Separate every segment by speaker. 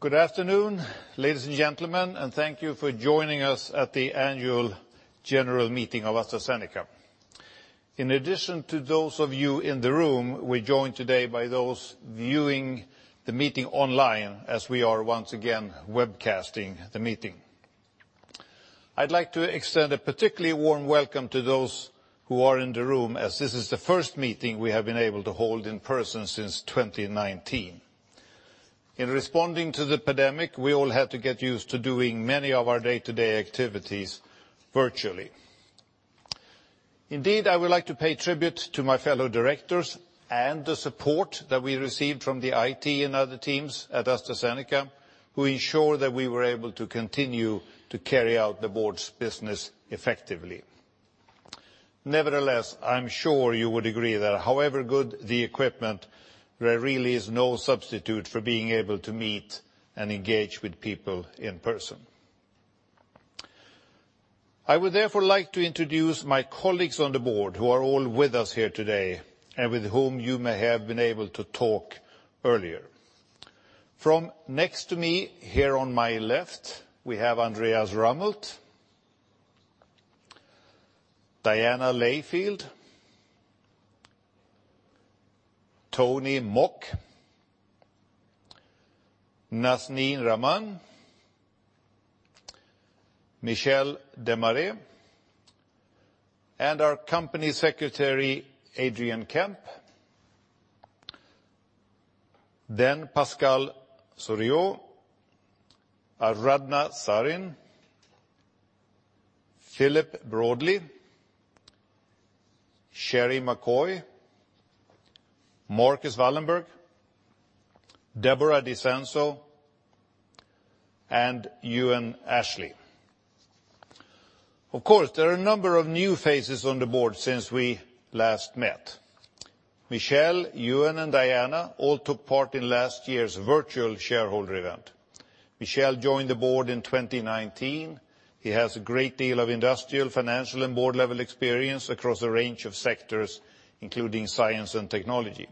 Speaker 1: Good afternoon, ladies and gentlemen, and thank you for joining us at the annual general meeting of AstraZeneca. In addition to those of you in the room, we're joined today by those viewing the meeting online as we are once again webcasting the meeting. I'd like to extend a particularly warm welcome to those who are in the room as this is the first meeting we have been able to hold in person since 2019. In responding to the pandemic, we all had to get used to doing many of our day-to-day activities virtually. Indeed, I would like to pay tribute to my fellow directors and the support that we received from the IT and other teams at AstraZeneca who ensured that we were able to continue to carry out the board's business effectively.
Speaker 2: Nevertheless, I'm sure you would agree that however good the equipment, there really is no substitute for being able to meet and engage with people in person. I would therefore like to introduce my colleagues on the board who are all with us here today and with whom you may have been able to talk earlier. From next to me here on my left, we have Andreas Rummelt, Diana Layfield, Tony Mok, Nazneen Rahman, Michel Demaré, and our company secretary, Adrian Kemp. Then Pascal Soriot, Aradhana Sarin, Philip Broadley, Sheri McCoy, Marcus Wallenberg, Deborah DiSanzo, and Euan Ashley. Of course, there are a number of new faces on the board since we last met. Michel, Euan, and Diana all took part in last year's virtual shareholder event. Michel joined the board in 2019. He has a great deal of industrial, financial, and board level experience across a range of sectors, including science and technology.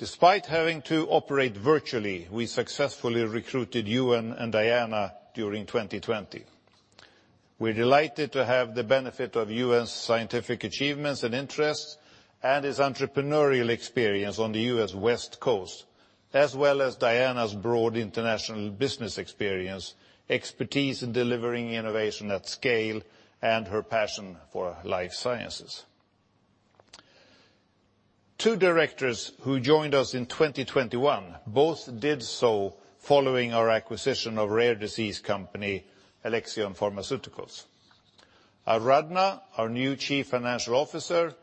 Speaker 2: Despite having to operate virtually, we successfully recruited Euan and Diana during 2020. We're delighted to have the benefit of Euan's scientific achievements and interests and his entrepreneurial experience on the US West Coast, as well as Diana's broad international business experience, expertise in delivering innovation at scale, and her passion for life sciences. Two directors who joined us in 2021 both did so following our acquisition of rare disease company Alexion Pharmaceuticals. Aradhana, our new Chief Financial Officer,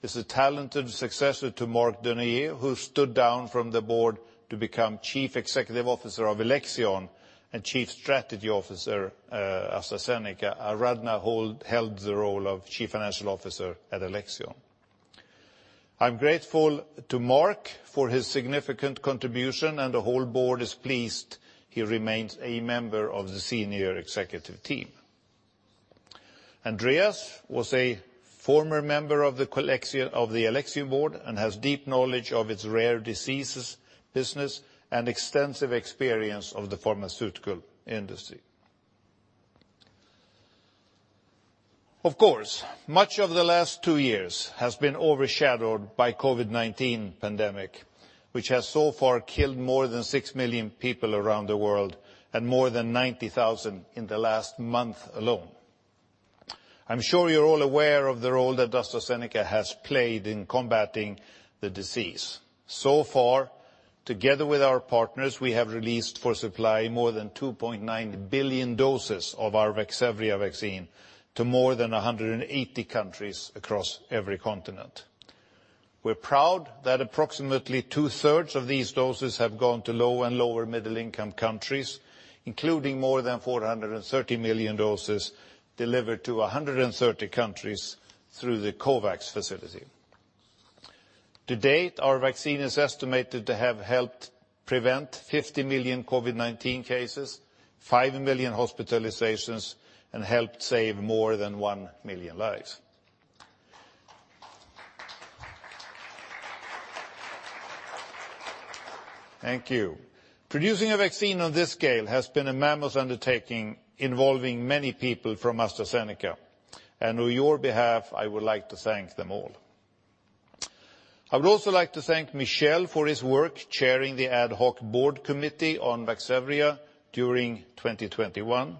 Speaker 2: is a talented successor to Marc Dunoyer, who stood down from the board to become Chief Executive Officer of Alexion and Chief Strategy Officer, AstraZeneca. Aradhana held the role of Chief Financial Officer at Alexion. I'm grateful to Marc for his significant contribution, and the whole board is pleased he remains a member of the senior executive team. Andreas was a former member of the Alexion board and has deep knowledge of its rare diseases business and extensive experience of the pharmaceutical industry. Of course, much of the last two years has been overshadowed by COVID-19 pandemic, which has so far killed more than 6 million people around the world and more than 90,000 in the last month alone. I'm sure you're all aware of the role that AstraZeneca has played in combating the disease. Far, together with our partners, we have released for supply more than 2.9 billion doses of our Vaxzevria vaccine to more than 180 countries across every continent. We're proud that approximately 22/3 of these doses have gone to low and lower middle income countries, including more than 430 million doses delivered to 130 countries through the COVAX facility. To date, our vaccine is estimated to have helped prevent 50 million COVID-19 cases, 5 million hospitalizations, and helped save more than 1 million lives. Thank you. Producing a vaccine on this scale has been a mammoth undertaking involving many people from AstraZeneca. On your behalf, I would like to thank them all. I would also like to thank Michel Demaré for his work chairing the Ad Hoc Board Committee on Vaxzevria during 2021.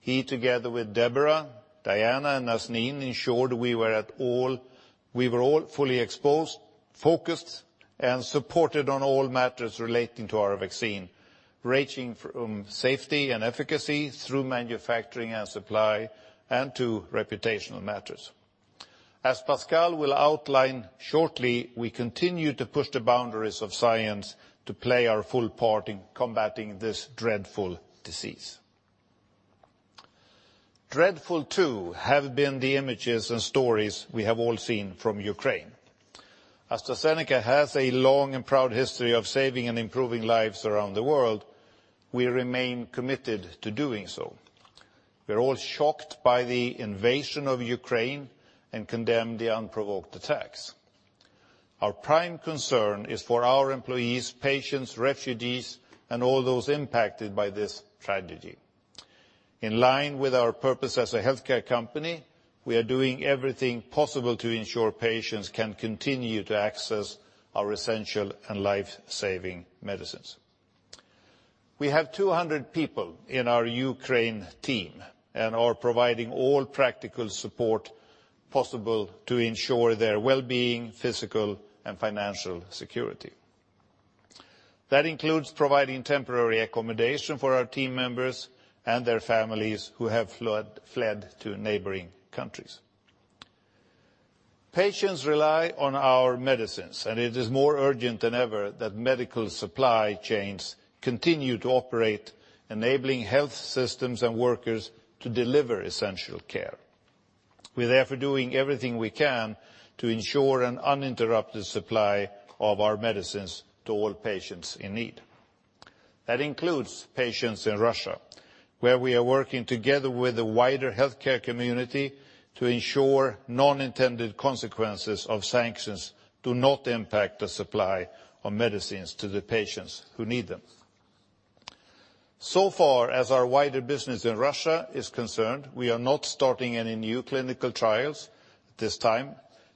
Speaker 2: He, together with Deborah, Diana, and Nazneen, ensured we were all fully exposed, focused, and supported on all matters relating to our vaccine, ranging from safety and efficacy through manufacturing and supply and to reputational matters. As Pascal will outline shortly, we continue to push the boundaries of science to play our full part in combating this dreadful disease. Dreadful too have been the images and stories we have all seen from Ukraine. AstraZeneca has a long and proud history of saving and improving lives around the world. We remain committed to doing so. We're all shocked by the invasion of Ukraine and condemn the unprovoked attacks. Our prime concern is for our employees, patients, refugees, and all those impacted by this tragedy. In line with our purpose as a healthcare company, we are doing everything possible to ensure patients can continue to access our essential and life-saving medicines. We have 200 people in our Ukraine team and are providing all practical support possible to ensure their well-being, physical and financial security. That includes providing temporary accommodation for our team members and their families who have fled to neighboring countries. Patients rely on our medicines, and it is more urgent than ever that medical supply chains continue to operate, enabling health systems and workers to deliver essential care. We're therefore doing everything we can to ensure an uninterrupted supply of our medicines to all patients in need. That includes patients in Russia, where we are working together with the wider healthcare community to ensure non-intended consequences of sanctions do not impact the supply of medicines to the patients who need them. So far as our wider business in Russia is concerned, we are not starting any new clinical trials this time,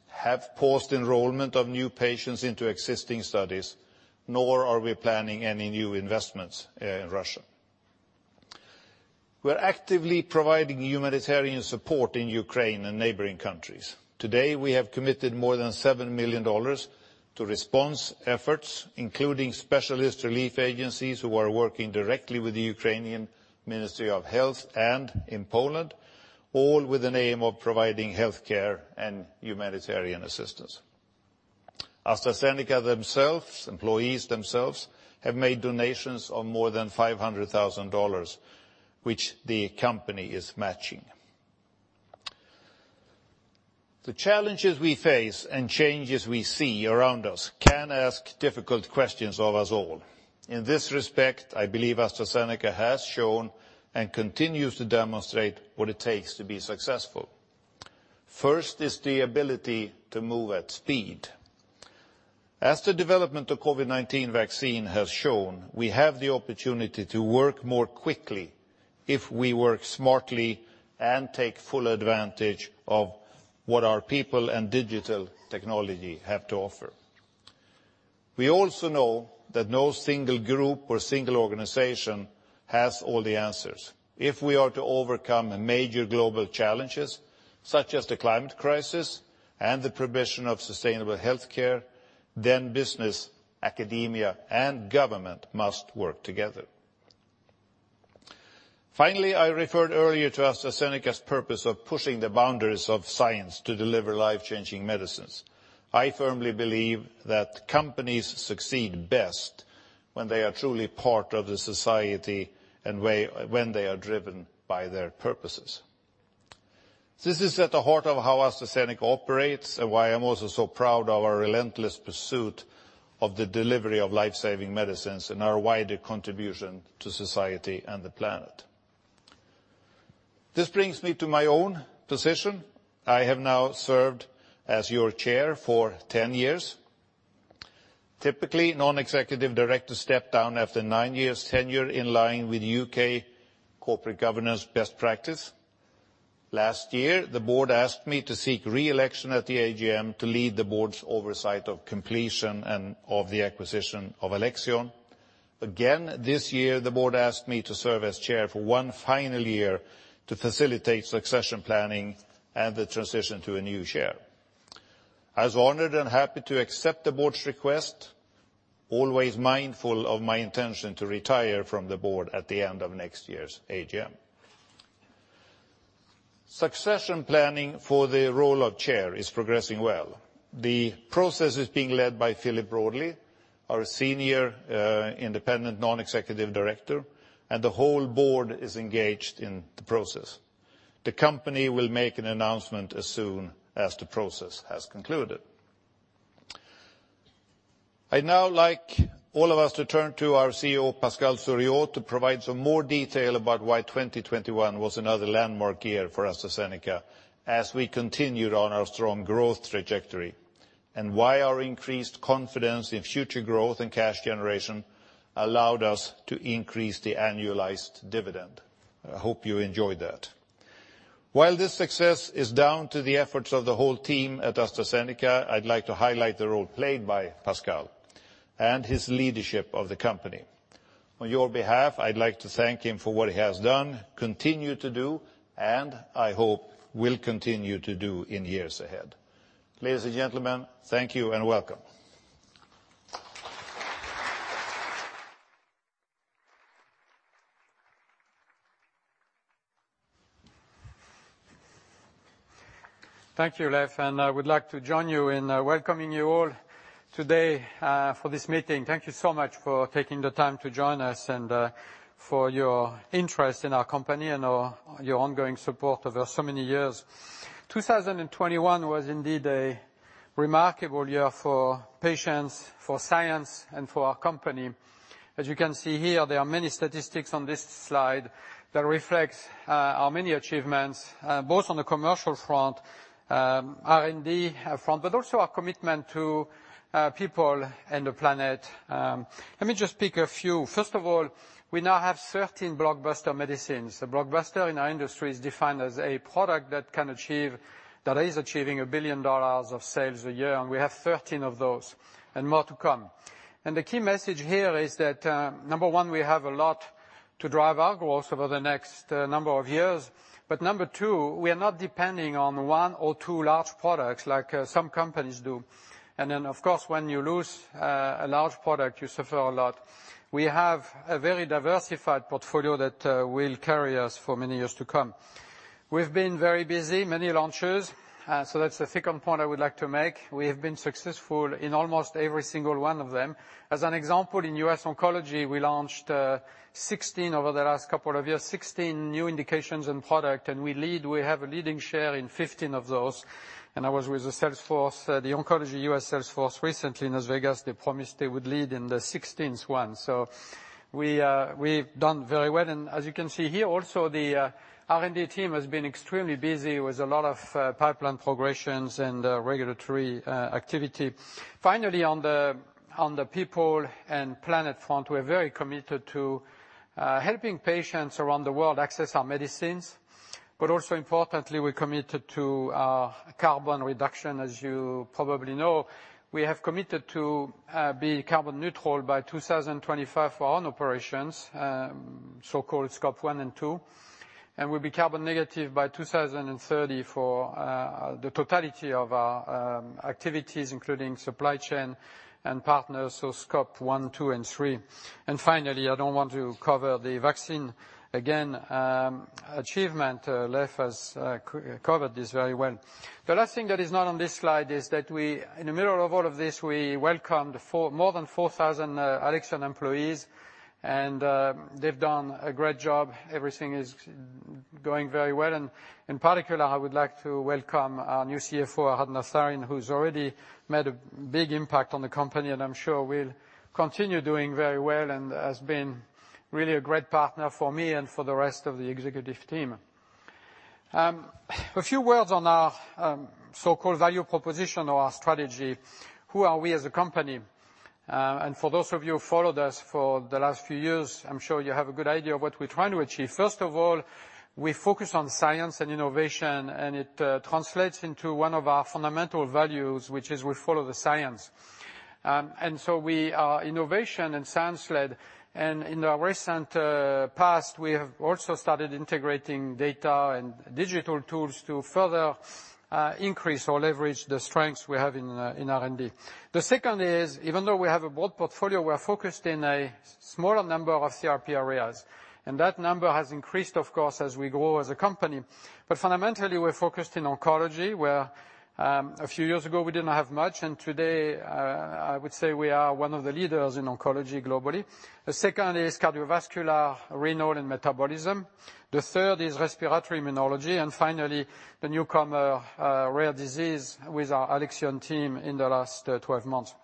Speaker 2: have paused enrollment of new patients into existing studies, nor are we planning any new investments in Russia. We're actively providing humanitarian support in Ukraine and neighboring countries. Today, we have committed more than $7 million to response efforts, including specialist relief agencies who are working directly with the Ukrainian Ministry of Health and in Poland, all with an aim of providing healthcare and humanitarian assistance. AstraZeneca themselves, employees themselves, have made donations of more than $500,000, which the company is matching. The challenges we face and changes we see around us can ask difficult questions of us all. In this respect, I believe AstraZeneca has shown and continues to demonstrate what it takes to be successful. First is the ability to move at speed. As the development of COVID-19 vaccine has shown, we have the opportunity to work more quickly if we work smartly and take full advantage of what our people and digital technology have to offer. We also know that no single group or single organization has all the answers. If we are to overcome major global challenges, such as the climate crisis and the provision of sustainable healthcare, then business, academia, and government must work together. Finally, I referred earlier to AstraZeneca's purpose of pushing the boundaries of science to deliver life-changing medicines. I firmly believe that companies succeed best when they are truly part of the society when they are driven by their purposes. This is at the heart of how AstraZeneca operates and why I'm also so proud of our relentless pursuit of the delivery of life-saving medicines and our wider contribution to society and the planet. This brings me to my own position. I have now served as your chair for 10 years. Typically, non-executive directors step down after 9 years tenure in line with U.K. corporate governance best practice. Last year, the board asked me to seek re-election at the AGM to lead the board's oversight of completion and of the acquisition of Alexion. Again, this year, the board asked me to serve as chair for 1 final year to facilitate succession planning and the transition to a new chair. I was honored and happy to accept the board's request, always mindful of my intention to retire from the board at the end of next year's AGM. Succession planning for the role of chair is progressing well. The process is being led by Philip Broadley, our Senior Independent Non-Executive Director, and the whole board is engaged in the process. The company will make an announcement as soon as the process has concluded. I'd now like all of us to turn to our CEO, Pascal Soriot, to provide some more detail about why 2021 was another landmark year for AstraZeneca as we continued on our strong growth trajectory. Why our increased confidence in future growth and cash generation allowed us to increase the annualized dividend. I hope you enjoy that. While this success is down to the efforts of the whole team at AstraZeneca, I'd like to highlight the role played by Pascal and his leadership of the company. On your behalf, I'd like to thank him for what he has done, continue to do, and I hope will continue to do in years ahead. Ladies and gentlemen, thank you and welcome.
Speaker 3: Thank you, Leif, and I would like to join you in welcoming you all today for this meeting. Thank you so much for taking the time to join us and for your interest in our company and our, your ongoing support over so many years. 2021 was indeed a remarkable year for patients, for science, and for our company. As you can see here, there are many statistics on this slide that reflects our many achievements both on the commercial front, R&D front, but also our commitment to people and the planet. Let me just pick a few. First of all, we now have 13 blockbuster medicines. A blockbuster in our industry is defined as a product that is achieving $1 billion of sales a year, and we have 13 of those, and more to come. The key message here is that, number one, we have a lot to drive our growth over the next, number of years. Number two, we are not depending on one or two large products like, some companies do. Of course, when you lose, a large product, you suffer a lot. We have a very diversified portfolio that, will carry us for many years to come. We've been very busy, many launches, so that's the second point I would like to make. We have been successful in almost every single one of them. As an example, in US Oncology, we launched, 16 over the last couple of years, 16 new indications and product, and we lead, we have a leading share in 15 of those. I was with the sales force, the Oncology US sales force recently in Las Vegas. They promised they would lead in the 16th one. We've done very well. As you can see here also, the R&D team has been extremely busy with a lot of pipeline progressions and regulatory activity. Finally, on the people and planet front, we're very committed to helping patients around the world access our medicines. Also importantly, we're committed to carbon reduction. As you probably know, we have committed to be carbon neutral by 2025 for our own operations, so-called Scope 1 and 2. We'll be carbon negative by 2030 for the totality of our activities, including supply chain and partners, so Scope 1, 2, and 3. Finally, I don't want to cover the vaccine again, achievement. Leif has covered this very well. The last thing that is not on this slide is that we, in the middle of all of this, we welcomed more than 4,000 Alexion employees, and they've done a great job. Everything is going very well. In particular, I would like to welcome our new CFO, Aradhana Sarin, who's already made a big impact on the company, and I'm sure will continue doing very well, and has been really a great partner for me and for the rest of the executive team. A few words on our so-called value proposition or our strategy. Who are we as a company? For those of you who followed us for the last few years, I'm sure you have a good idea of what we're trying to achieve. First of all, we focus on science and innovation, and it translates into one of our fundamental values, which is we follow the science. We are innovation and science-led. In the recent past, we have also started integrating data and digital tools to further increase or leverage the strengths we have in R&D. The second is, even though we have a broad portfolio, we are focused in a smaller number of therapy areas, and that number has increased, of course, as we grow as a company. Fundamentally, we're focused in oncology, where a few years ago, we didn't have much, and today I would say we are one of the leaders in oncology globally. The second is cardiovascular, renal, and metabolism. The third is respiratory immunology, and finally, the newcomer, rare disease with our Alexion team in the last 12 months.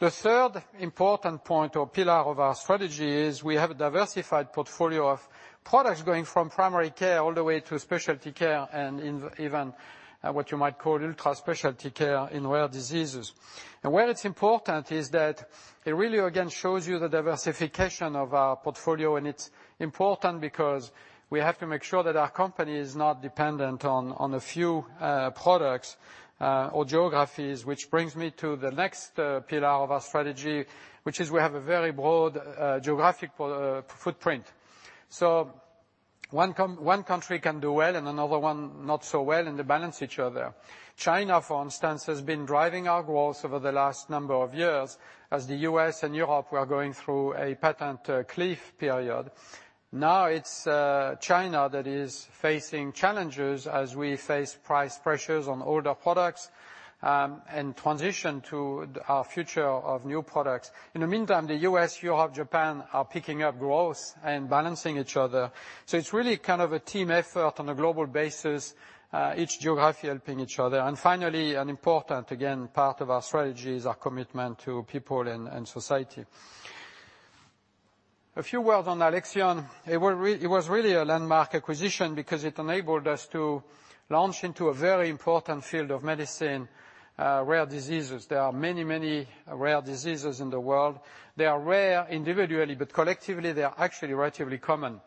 Speaker 3: The third important point or pillar of our strategy is we have a diversified portfolio of products going from primary care all the way to specialty care, and even what you might call ultra specialty care in rare diseases. Where it's important is that it really again shows you the diversification of our portfolio. It's important because we have to make sure that our company is not dependent on a few products or geographies, which brings me to the next pillar of our strategy, which is we have a very broad geographic footprint. One country can do well and another one not so well and they balance each other. China, for instance, has been driving our growth over the last number of years as the U.S. and Europe were going through a patent cliff period. Now it's China that is facing challenges as we face price pressures on older products and transition to our future of new products. In the meantime, the U.S., Europe, Japan are picking up growth and balancing each other. It's really kind of a team effort on a global basis, each geography helping each other. Finally, an important, again, part of our strategy is our commitment to people and society. A few words on Alexion. It was really a landmark acquisition because it enabled us to launch into a very important field of medicine, rare diseases. There are many, many rare diseases in the world. They are rare individually, but collectively they are actually relatively common.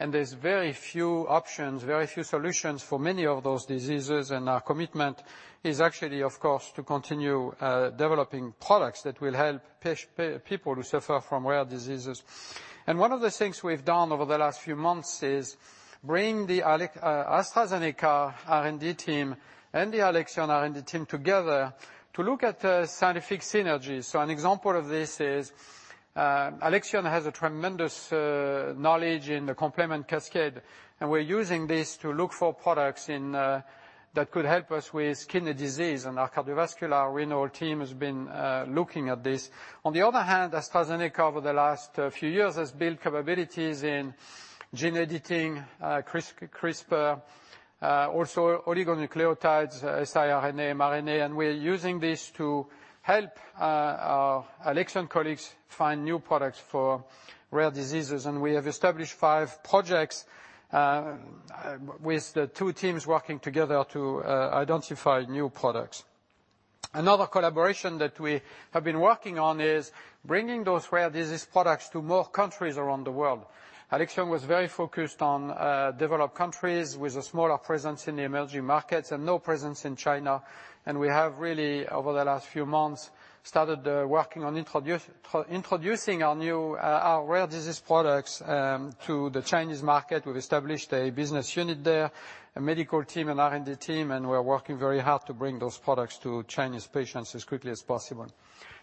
Speaker 3: There's very few options, very few solutions for many of those diseases. Our commitment is actually, of course, to continue developing products that will help people who suffer from rare diseases. One of the things we've done over the last few months is bring the AstraZeneca R&D team and the Alexion R&D team together to look at scientific synergies. An example of this is, Alexion has a tremendous knowledge in the complement cascade, and we're using this to look for products in that could help us with kidney disease. Our cardiovascular renal team has been looking at this. On the other hand, AstraZeneca over the last few years has built capabilities in gene editing, CRISPR, also oligonucleotides, siRNA, mRNA, and we're using this to help our Alexion colleagues find new products for rare diseases. We have established five projects, with the two teams working together to identify new products. Another collaboration that we have been working on is bringing those rare disease products to more countries around the world. Alexion was very focused on developed countries with a smaller presence in the emerging markets and no presence in China. We have really, over the last few months, started working on introducing our new rare disease products to the Chinese market. We've established a business unit there, a medical team, an R&D team, and we're working very hard to bring those products to Chinese patients as quickly as possible.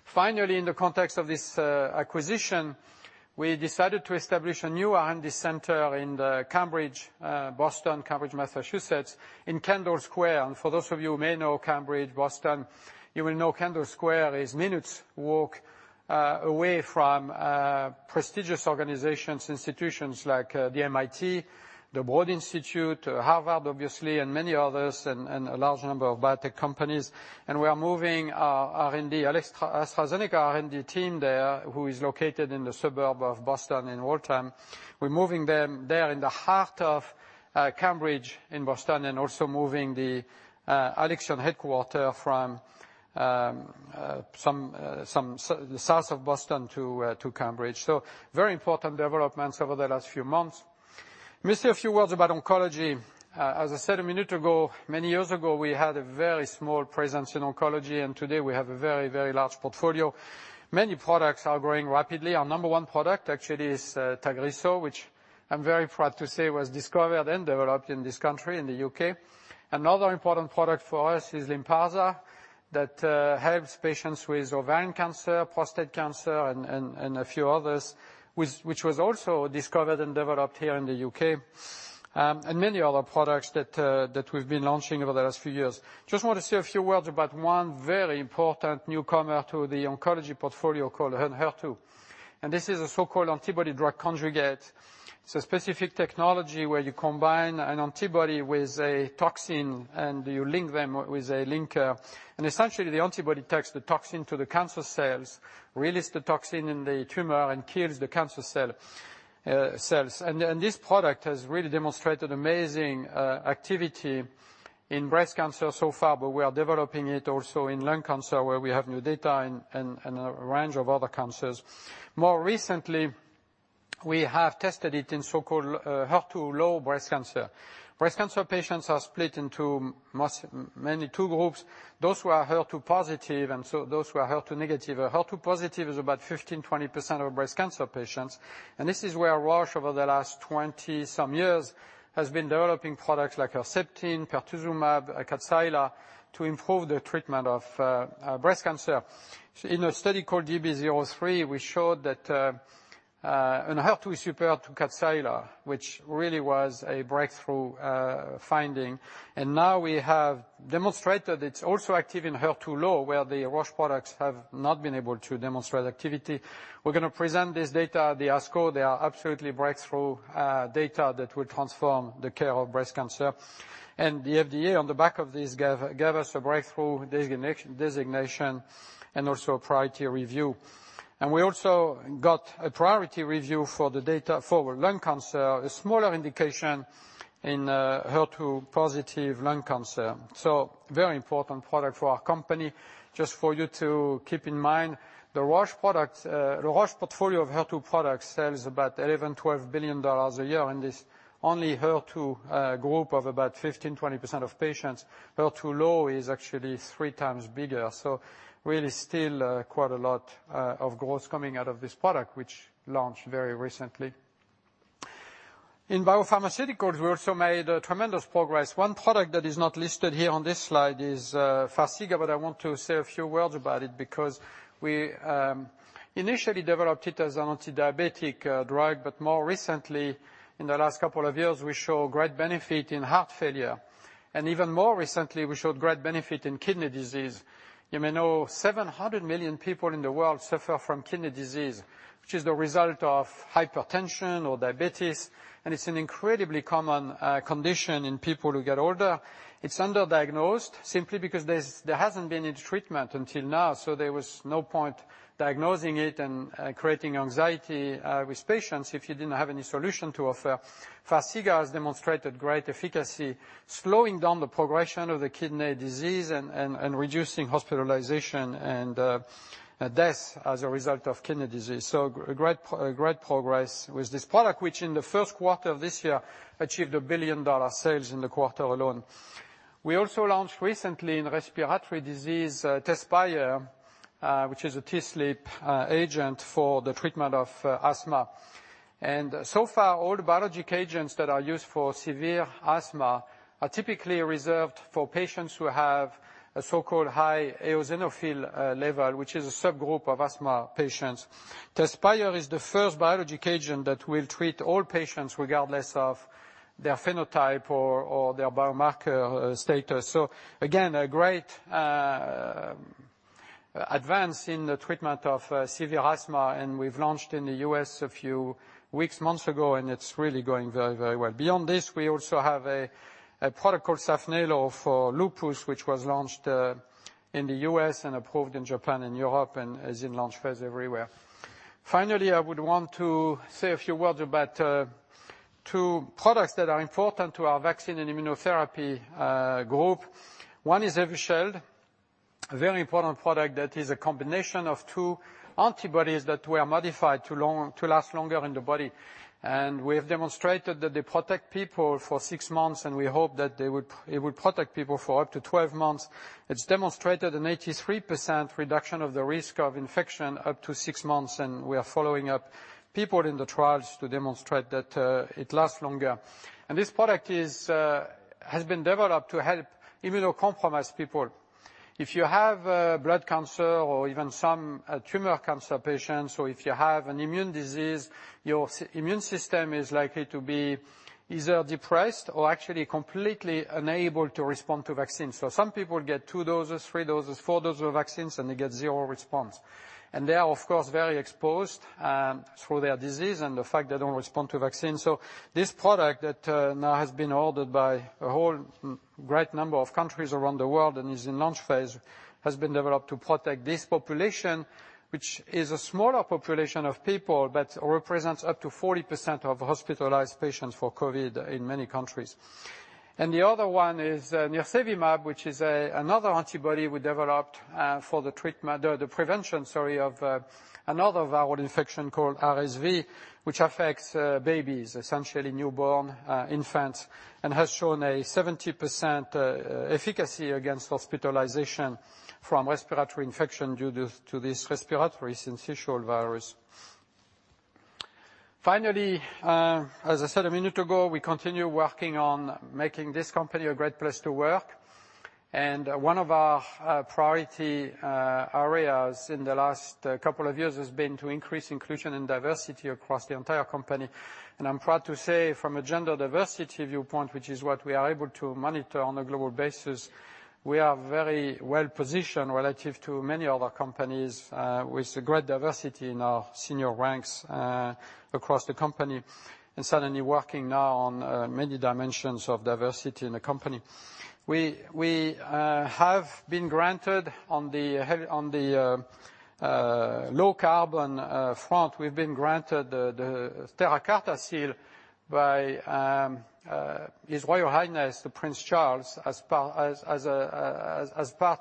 Speaker 3: Finally, in the context of this acquisition, we decided to establish a new R&D center in Cambridge, Massachusetts, in Kendall Square. For those of you who may know Cambridge, Boston, you will know Kendall Square is minutes' walk away from prestigious organizations, institutions like the MIT, the Broad Institute, Harvard, obviously, and many others, and a large number of biotech companies. We are moving our R&D AstraZeneca R&D team there, who is located in the suburb of Boston in Waltham. We're moving them there in the heart of Cambridge and Boston, and also moving the Alexion headquarters from somewhere south of Boston to Cambridge. Very important developments over the last few months. Let me say a few words about oncology. As I said a minute ago, many years ago, we had a very small presence in oncology, and today we have a very, very large portfolio. Many products are growing rapidly. Our number one product actually is Tagrisso, which I'm very proud to say was discovered and developed in this country, in the U.K. Another important product for us is Lynparza, that helps patients with ovarian cancer, prostate cancer, and a few others, which was also discovered and developed here in the U.K. Many other products that we've been launching over the last few years. Just want to say a few words about one very important newcomer to the oncology portfolio called HER2. This is a so-called antibody-drug conjugate. It's a specific technology where you combine an antibody with a toxin and you link them with a linker. Essentially, the antibody takes the toxin to the cancer cells, release the toxin in the tumor, and kills the cancer cells. This product has really demonstrated amazing activity in breast cancer so far, but we are developing it also in lung cancer, where we have new data, and a range of other cancers. More recently, we have tested it in so-called HER2-low breast cancer. Breast cancer patients are split into mainly two groups, those who are HER2-positive and those who are HER2-negative. HER2-positive is about 15%-20% of breast cancer patients, and this is where Roche over the last 20-some years has been developing products like Herceptin, Pertuzumab, Kadcyla, to improve the treatment of breast cancer. In a study called DESTINY-Breast03, we showed that Enhertu is superior to Kadcyla, which really was a breakthrough finding. Now we have demonstrated it's also active in HER2-low, where the Roche products have not been able to demonstrate activity. We're gonna present this data at the ASCO. They are absolutely breakthrough data that will transform the care of breast cancer. The FDA, on the back of this, gave us a breakthrough designation and also a priority review. We also got a priority review for the data for lung cancer, a smaller indication in HER2-positive lung cancer. Very important product for our company. Just for you to keep in mind, the Roche product, the Roche portfolio of HER2 products sells about $11 billion-$12 billion a year in this only HER2 group of about 15%-20% of patients. HER2-low is actually three times bigger. Really still quite a lot of growth coming out of this product, which launched very recently. In biopharmaceuticals, we also made tremendous progress. One product that is not listed here on this slide is Farxiga, but I want to say a few words about it because we initially developed it as an antidiabetic drug, but more recently, in the last couple of years, we show great benefit in heart failure. Even more recently, we showed great benefit in kidney disease. You may know 700 million people in the world suffer from kidney disease, which is the result of hypertension or diabetes, and it's an incredibly common condition in people who get older. It's under-diagnosed simply because there hasn't been any treatment until now, so there was no point diagnosing it and creating anxiety with patients if you didn't have any solution to offer. Farxiga has demonstrated great efficacy, slowing down the progression of the kidney disease and reducing hospitalization and death as a result of kidney disease. Great progress with this product, which in the first quarter of this year achieved $1 billion in sales in the quarter alone. We also launched recently in respiratory disease Tezspire, which is a TSLP agent for the treatment of asthma. All biologic agents that are used for severe asthma are typically reserved for patients who have a so-called high eosinophil level, which is a subgroup of asthma patients. Tezspire is the first biologic agent that will treat all patients regardless of their phenotype or their biomarker status. Again, a great advance in the treatment of severe asthma, and we've launched in the U.S. a few weeks, months ago, and it's really going very, very well. Beyond this, we also have a product called Saphnelo for lupus, which was launched in the U.S. and approved in Japan and Europe and is in launch phase everywhere. Finally, I would want to say a few words about two products that are important to our vaccine and immunotherapy group. One is Evusheld, a very important product that is a combination of two antibodies that were modified to last longer in the body. We have demonstrated that they protect people for six months, and we hope that it would protect people for up to 12 months. It's demonstrated an 83% reduction of the risk of infection up to six months, and we are following up people in the trials to demonstrate that it lasts longer. This product has been developed to help immunocompromised people. If you have blood cancer or even some tumor cancer patients, or if you have an immune disease, your immune system is likely to be either depressed or actually completely unable to respond to vaccines. Some people get two doses, three doses, four doses of vaccines, and they get zero response. They are, of course, very exposed through their disease and the fact they don't respond to vaccines. This product that now has been ordered by a whole great number of countries around the world and is in launch phase has been developed to protect this population, which is a smaller population of people but represents up to 40% of hospitalized patients for COVID in many countries. The other one is nirsevimab, which is another antibody we developed for the treatment, or the prevention, sorry, of another viral infection called RSV, which affects babies, essentially newborn infants, and has shown a 70% efficacy against hospitalization from respiratory infection due to this respiratory syncytial virus. Finally, as I said a minute ago, we continue working on making this company a great place to work. One of our priority areas in the last couple of years has been to increase inclusion and diversity across the entire company. I'm proud to say from a gender diversity viewpoint, which is what we are able to monitor on a global basis, we are very well-positioned relative to many other companies with a great diversity in our senior ranks across the company. Suddenly working now on many dimensions of diversity in the company. We have been granted on the low-carbon front. We've been granted the Terra Carta seal by His Royal Highness, Prince Charles, as part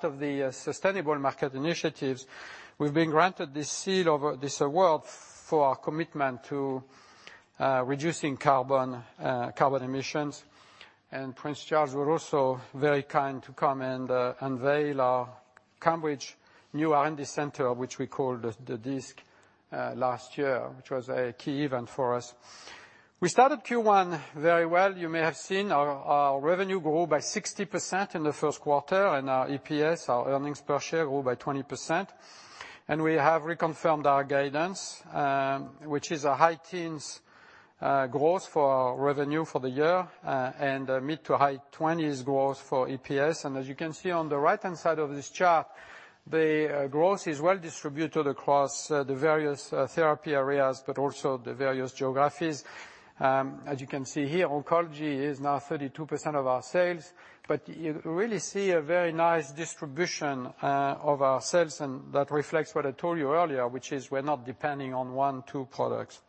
Speaker 3: of the Sustainable Markets Initiative. We've been granted this seal of this award for our commitment to reducing carbon emissions. Prince Charles was also very kind to come and unveil our Cambridge new R&D center, which we called the DISC last year, which was a key event for us. We started Q1 very well. You may have seen our revenue grow by 60% in the first quarter and our EPS, our earnings per share, grow by 20%. We have reconfirmed our guidance, which is a high-teens growth for revenue for the year and a mid- to high-20s growth for EPS. As you can see on the right-hand side of this chart, the growth is well distributed across the various therapy areas, but also the various geographies. As you can see here, oncology is now 32% of our sales, but you really see a very nice distribution of our sales and that reflects what I told you earlier, which is we're not depending on one, two products.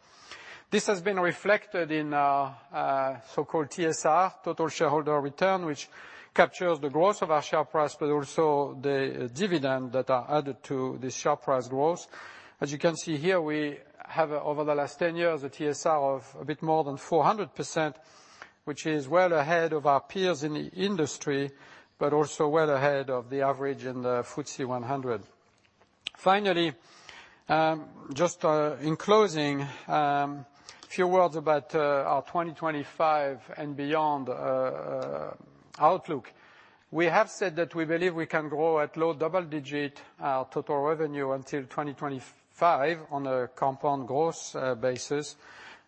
Speaker 3: This has been reflected in our so-called TSR, Total Shareholder Return, which captures the growth of our share price, but also the dividend that are added to the share price growth. As you can see here, we have over the last 10 years a TSR of a bit more than 400%, which is well ahead of our peers in the industry, but also well ahead of the average in the FTSE 100. Finally, just in closing, a few words about our 2025 and beyond outlook. We have said that we believe we can grow at low double-digit total revenue until 2025 on a compound growth basis.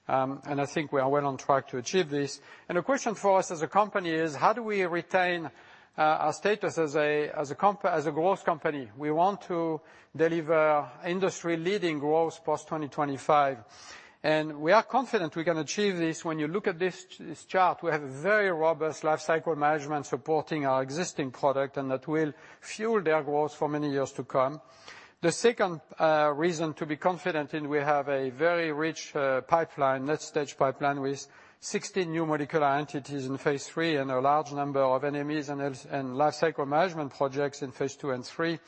Speaker 3: I think we are well on track to achieve this. The question for us as a company is how do we retain our status as a growth company? We want to deliver industry-leading growth post-2025, and we are confident we can achieve this. When you look at this chart, we have a very robust life cycle management supporting our existing product, and that will fuel their growth for many years to come. The second reason to be confident in, we have a very rich pipeline, late-stage pipeline with 16 new molecular entities in phase III and a large number of NMEs, and life cycle management projects in phase II and III.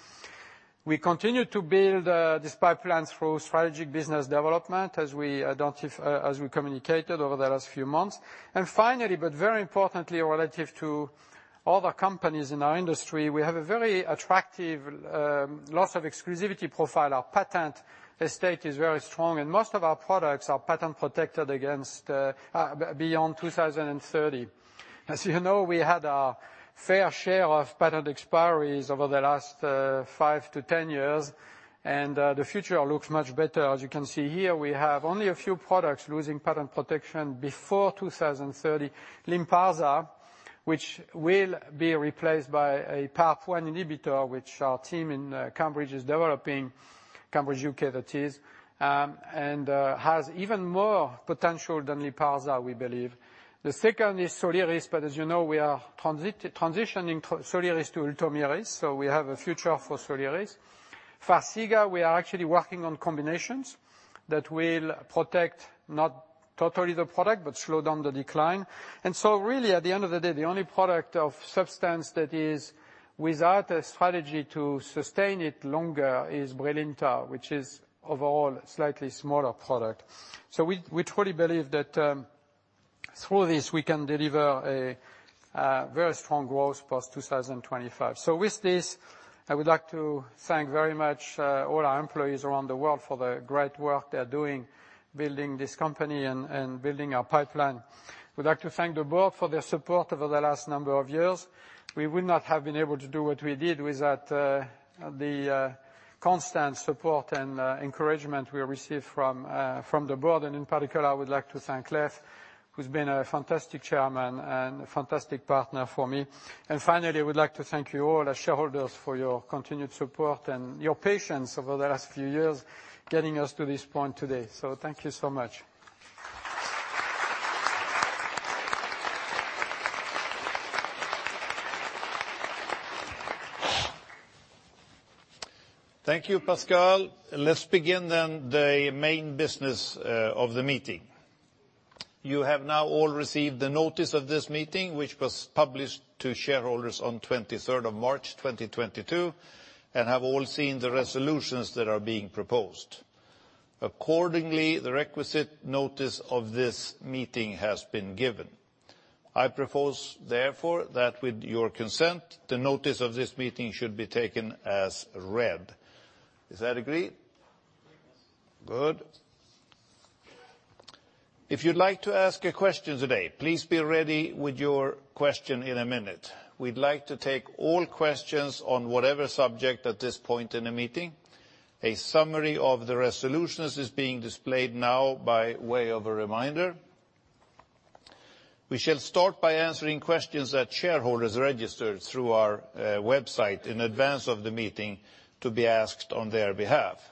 Speaker 3: We continue to build these pipelines through strategic business development as we indicated, as we communicated over the last few months. Finally, but very importantly, relative to other companies in our industry, we have a very attractive loss of exclusivity profile. Our patent estate is very strong, and most of our products are patent protected beyond 2030. As you know, we had our fair share of patent expiries over the last 5-10 years, and the future looks much better. As you can see here, we have only a few products losing patent protection before 2030. Lynparza, which will be replaced by a PARP-1 inhibitor, which our team in Cambridge is developing, Cambridge UK that is, has even more potential than Lynparza we believe. The second is Soliris, but as you know, we are transitioning Soliris to Ultomiris, so we have a future for Soliris. Farxiga, we are actually working on combinations that will protect not totally the product, but slow down the decline. Really at the end of the day, the only product of substance that is without a strategy to sustain it longer is Brilinta, which is overall a slightly smaller product. We truly believe that through this, we can deliver very strong growth post 2025. With this, I would like to thank very much all our employees around the world for the great work they are doing building this company and building our pipeline. I would like to thank the board for their support over the last number of years. We would not have been able to do what we did without the constant support and encouragement we received from the board. In particular, I would like to thank Leif, who's been a fantastic Chairman and a fantastic partner for me. Finally, I would like to thank you all as shareholders for your continued support and your patience over the last few years, getting us to this point today. Thank you so much.
Speaker 2: Thank you, Pascal. Let's begin the main business of the meeting. You have now all received the notice of this meeting, which was published to shareholders on 23rd of March 2022, and have all seen the resolutions that are being proposed. Accordingly, the requisite notice of this meeting has been given. I propose, therefore, that with your consent, the notice of this meeting should be taken as read. Is that agreed?
Speaker 3: Yes.
Speaker 2: Good. If you'd like to ask a question today, please be ready with your question in a minute. We'd like to take all questions on whatever subject at this point in the meeting. A summary of the resolutions is being displayed now by way of a reminder. We shall start by answering questions that shareholders registered through our website in advance of the meeting to be asked on their behalf.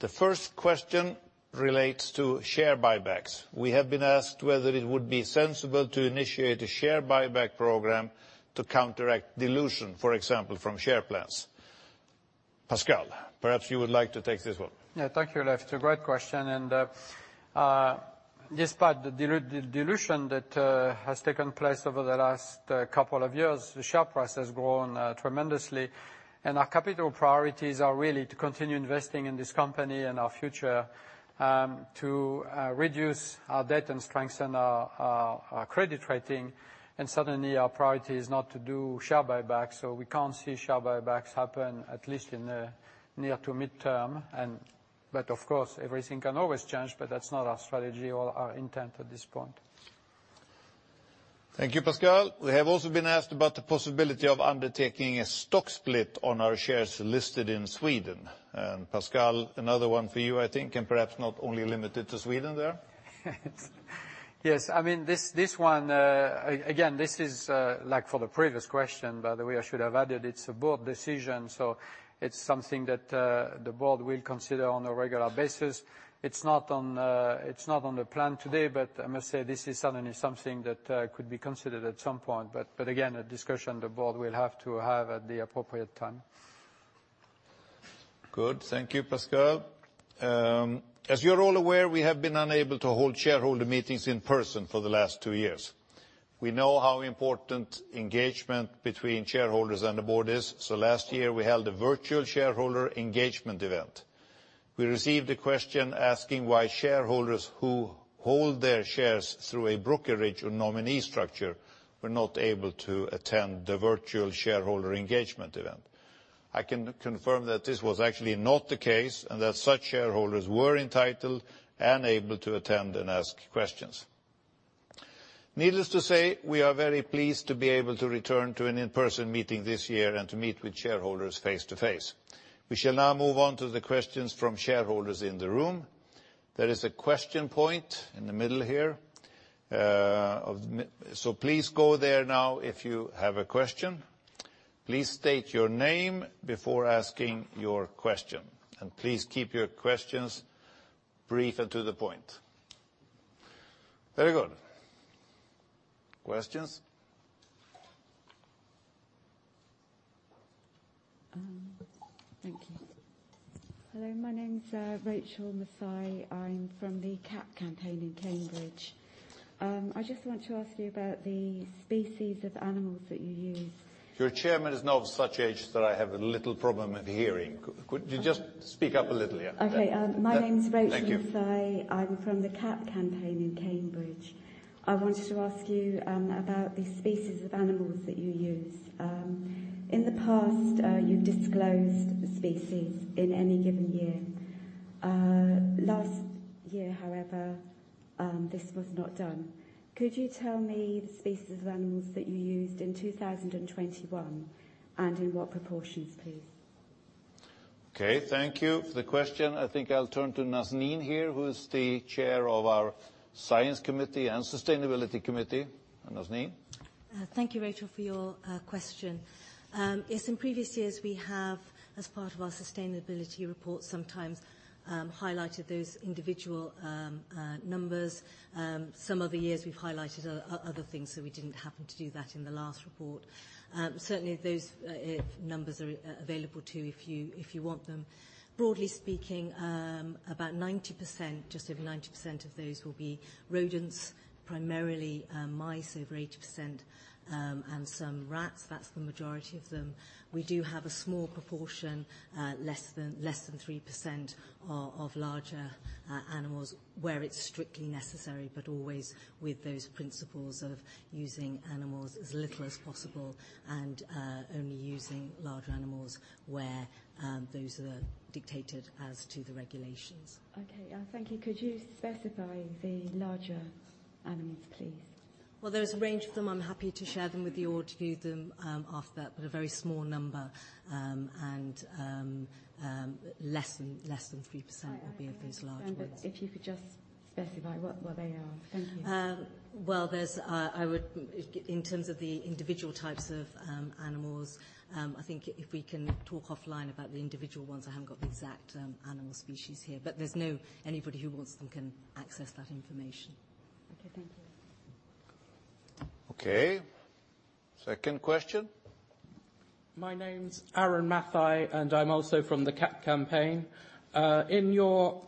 Speaker 2: The first question relates to share buybacks. We have been asked whether it would be sensible to initiate a share buyback program to counteract dilution, for example, from share plans. Pascal, perhaps you would like to take this one.
Speaker 3: Yeah. Thank you, Leif. It's a great question. Despite the deletion that has taken place over the last couple of years, the share price has grown tremendously, and our capital priorities are really to continue investing in this company and our future, to reduce our debt and strengthen our credit rating. Certainly our priority is not to do share buybacks, so we can't see share buybacks happen, at least in the near to midterm. Of course, everything can always change, but that's not our strategy or our intent at this point.
Speaker 2: Thank you, Pascal. We have also been asked about the possibility of undertaking a stock split on our shares listed in Sweden. Pascal, another one for you I think, and perhaps not only limited to Sweden there.
Speaker 3: Yes. I mean, this one, again, this is like for the previous question, by the way, I should have added it's a board decision, so it's something that the board will consider on a regular basis. It's not on the plan today, but I must say this is certainly something that could be considered at some point. Again, a discussion the board will have to have at the appropriate time.
Speaker 2: Good. Thank you, Pascal. As you're all aware, we have been unable to hold shareholder meetings in person for the last two years. We know how important engagement between shareholders and the board is, so last year we held a virtual shareholder engagement event. We received a question asking why shareholders who hold their shares through a brokerage or nominee structure were not able to attend the virtual shareholder engagement event. I can confirm that this was actually not the case, and that such shareholders were entitled and able to attend and ask questions. Needless to say, we are very pleased to be able to return to an in-person meeting this year and to meet with shareholders face to face. We shall now move on to the questions from shareholders in the room. There is a question point in the middle here. Please go there now if you have a question. Please state your name before asking your question, and please keep your questions brief and to the point. Very good. Questions?
Speaker 4: Thank you. Hello, my name's Rachel Masai. I'm from the CAP Campaign in Cambridge. I just want to ask you about the species of animals that you use.
Speaker 2: Your chairman is now of such age that I have a little problem with hearing. Could you just speak up a little yeah?
Speaker 4: Okay. My name's-
Speaker 2: Thank you.
Speaker 4: Rachel Masai. I'm from the CAP Campaign in Cambridge. I wanted to ask you about the species of animals that you use. In the past, you've disclosed the species in any given year. Last year however, this was not done. Could you tell me the species of animals that you used in 2021, and in what proportions, please?
Speaker 2: Okay, thank you for the question. I think I'll turn to Nazneen here, who is the Chair of our Science Committee and Sustainability Committee. Nazneen?
Speaker 5: Thank you Rachel, for your question. Yes, in previous years we have, as part of our sustainability report, sometimes highlighted those individual numbers. Some other years we've highlighted other things, so we didn't happen to do that in the last report. Certainly those numbers are available too, if you want them. Broadly speaking, about 90%, just over 90% of those will be rodents, primarily mice, over 80%, and some rats. That's the majority of them. We do have a small proportion, less than 3% of larger animals where it's strictly necessary, but always with those principles of using animals as little as possible, and only using larger animals where those are dictated as to the regulations.
Speaker 4: Okay. Thank you. Could you specify the larger animals please?
Speaker 5: Well, there's a range of them. I'm happy to share them with you or to give them after, but a very small number. Less than 3% would be of those large ones.
Speaker 4: I understand. If you could just specify what they are? Thank you.
Speaker 5: Well, in terms of the individual types of animals, I think if we can talk offline about the individual ones. I haven't got the exact animal species here. Anybody who wants them can access that information.
Speaker 4: Okay. Thank you.
Speaker 2: Okay. Second question.
Speaker 6: My name's Aaron Mathai, and I'm also from the CAP Campaign. In your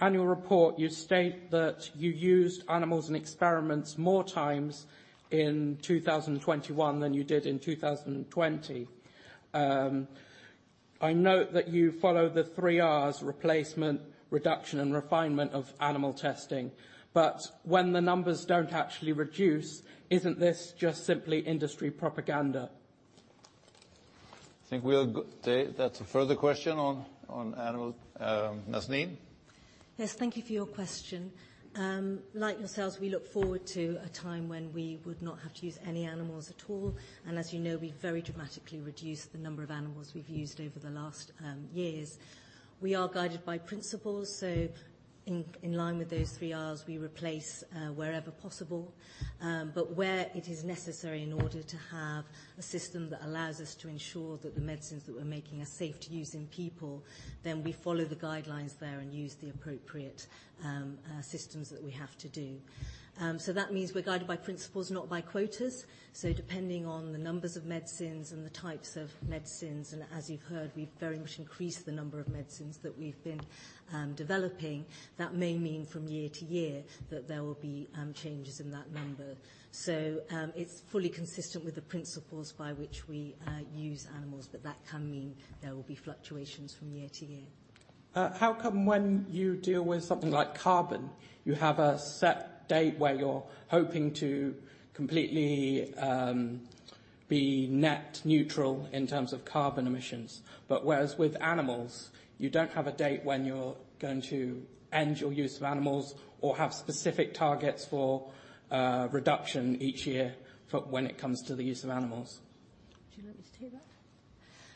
Speaker 6: annual report, you state that you used animals in experiments more times in 2021 than you did in 2020. I note that you follow the three Rs, replacement, reduction, and refinement of animal testing. When the numbers don't actually reduce, isn't this just simply industry propaganda?
Speaker 2: That's a further question on animal. Nazneen?
Speaker 5: Yes. Thank you for your question. Like yourselves, we look forward to a time when we would not have to use any animals at all, and as you know, we've very dramatically reduced the number of animals we've used over the last years. We are guided by principles, so in line with those three Rs, we replace wherever possible. Where it is necessary in order to have a system that allows us to ensure that the medicines that we're making are safe to use in people, then we follow the guidelines there and use the appropriate systems that we have to do. That means we're guided by principles, not by quotas. Depending on the numbers of medicines and the types of medicines, and as you've heard, we've very much increased the number of medicines that we've been developing. That may mean from year to year that there will be changes in that number. It's fully consistent with the principles by which we use animals, but that can mean there will be fluctuations from year to year.
Speaker 6: How come when you deal with something like carbon, you have a set date where you're hoping to completely be net neutral in terms of carbon emissions, but whereas with animals, you don't have a date when you're going to end your use of animals or have specific targets for reduction each year for when it comes to the use of animals?
Speaker 5: Do you want me to take that?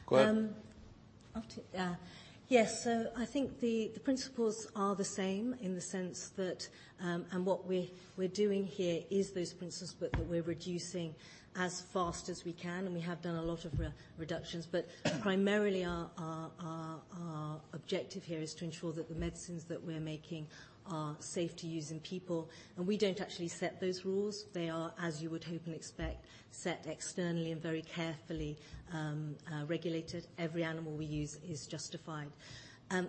Speaker 2: Go ahead.
Speaker 5: Yes. I think the principles are the same in the sense that what we're doing here is those principles, but that we're reducing as fast as we can, and we have done a lot of reductions. Primarily our objective here is to ensure that the medicines that we're making are safe to use in people, and we don't actually set those rules. They are, as you would hope and expect, set externally and very carefully regulated. Every animal we use is justified.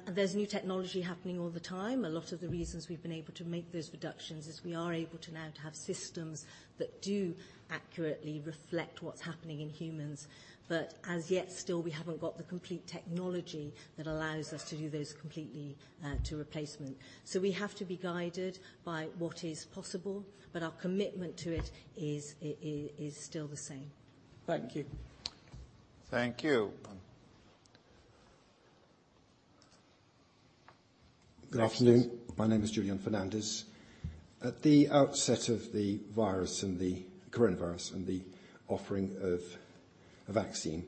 Speaker 5: There's new technology happening all the time. A lot of the reasons we've been able to make those reductions is we are able to now have systems that do accurately reflect what's happening in humans. As yet, still we haven't got the complete technology that allows us to do those completely, to replacement. We have to be guided by what is possible, but our commitment to it is still the same.
Speaker 6: Thank you.
Speaker 2: Thank you.
Speaker 7: Good afternoon. My name is Julian Fernandez. At the outset of the virus and the coronavirus and the offering of a vaccine,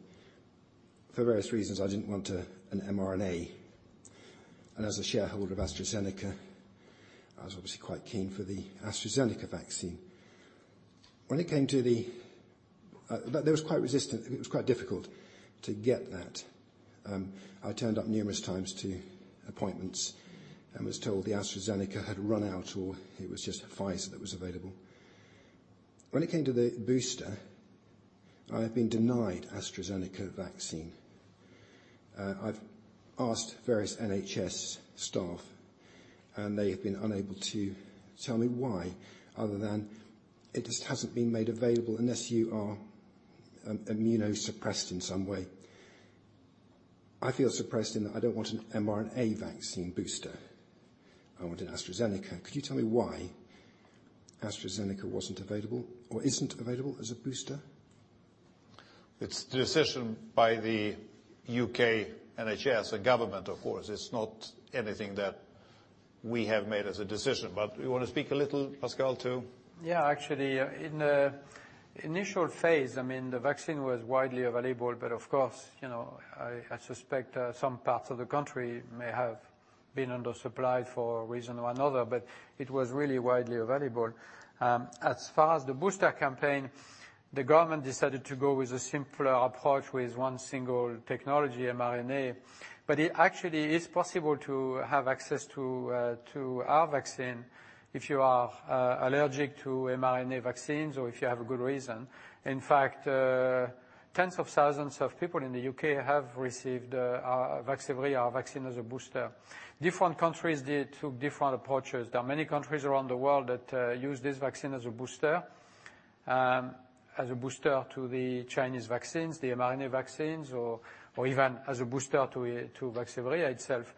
Speaker 7: for various reasons, I didn't want an mRNA. As a shareholder of AstraZeneca, I was obviously quite keen for the AstraZeneca vaccine. When it came to it was quite difficult to get that. I turned up numerous times to appointments and was told the AstraZeneca had run out or it was just Pfizer that was available. When it came to the booster, I have been denied AstraZeneca vaccine. I've asked various NHS staff, and they have been unable to tell me why other than it just hasn't been made available unless you are immunosuppressed in some way. I feel suppressed in that I don't want an mRNA vaccine booster. I wanted AstraZeneca. Could you tell me why AstraZeneca wasn't available or isn't available as a booster?
Speaker 2: It's the decision by the UK NHS and government, of course. It's not anything that we have made as a decision. You wanna speak a little, Pascal, too?
Speaker 3: Yeah. Actually, in the initial phase, I mean, the vaccine was widely available, but of course, you know, I suspect some parts of the country may have been undersupplied for one reason or another, but it was really widely available. As far as the booster campaign, the government decided to go with a simpler approach with one single technology, mRNA. It actually is possible to have access to our vaccine if you are allergic to mRNA vaccines or if you have a good reason. In fact, tens of thousands of people in the U.K. have received our Vaxzevria vaccine as a booster. Different countries did take different approaches. There are many countries around the world that use this vaccine as a booster, as a booster to the Chinese vaccines, the mRNA vaccines or even as a booster to Vaxzevria itself.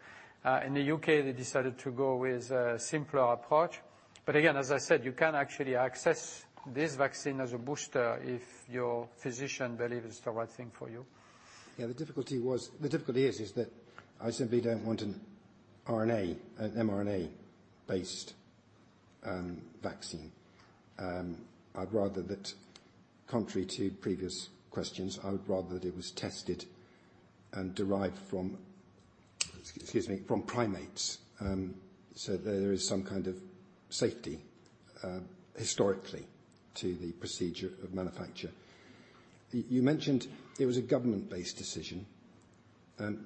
Speaker 3: In the U.K., they decided to go with a simpler approach. Again, as I said, you can actually access this vaccine as a booster if your physician believes it's the right thing for you.
Speaker 7: Yeah, the difficulty is that I simply don't want an RNA, an mRNA-based vaccine. I'd rather, contrary to previous questions, that it was tested and derived from, excuse me, from primates. There is some kind of safety historically to the procedure of manufacture. You mentioned it was a government-based decision.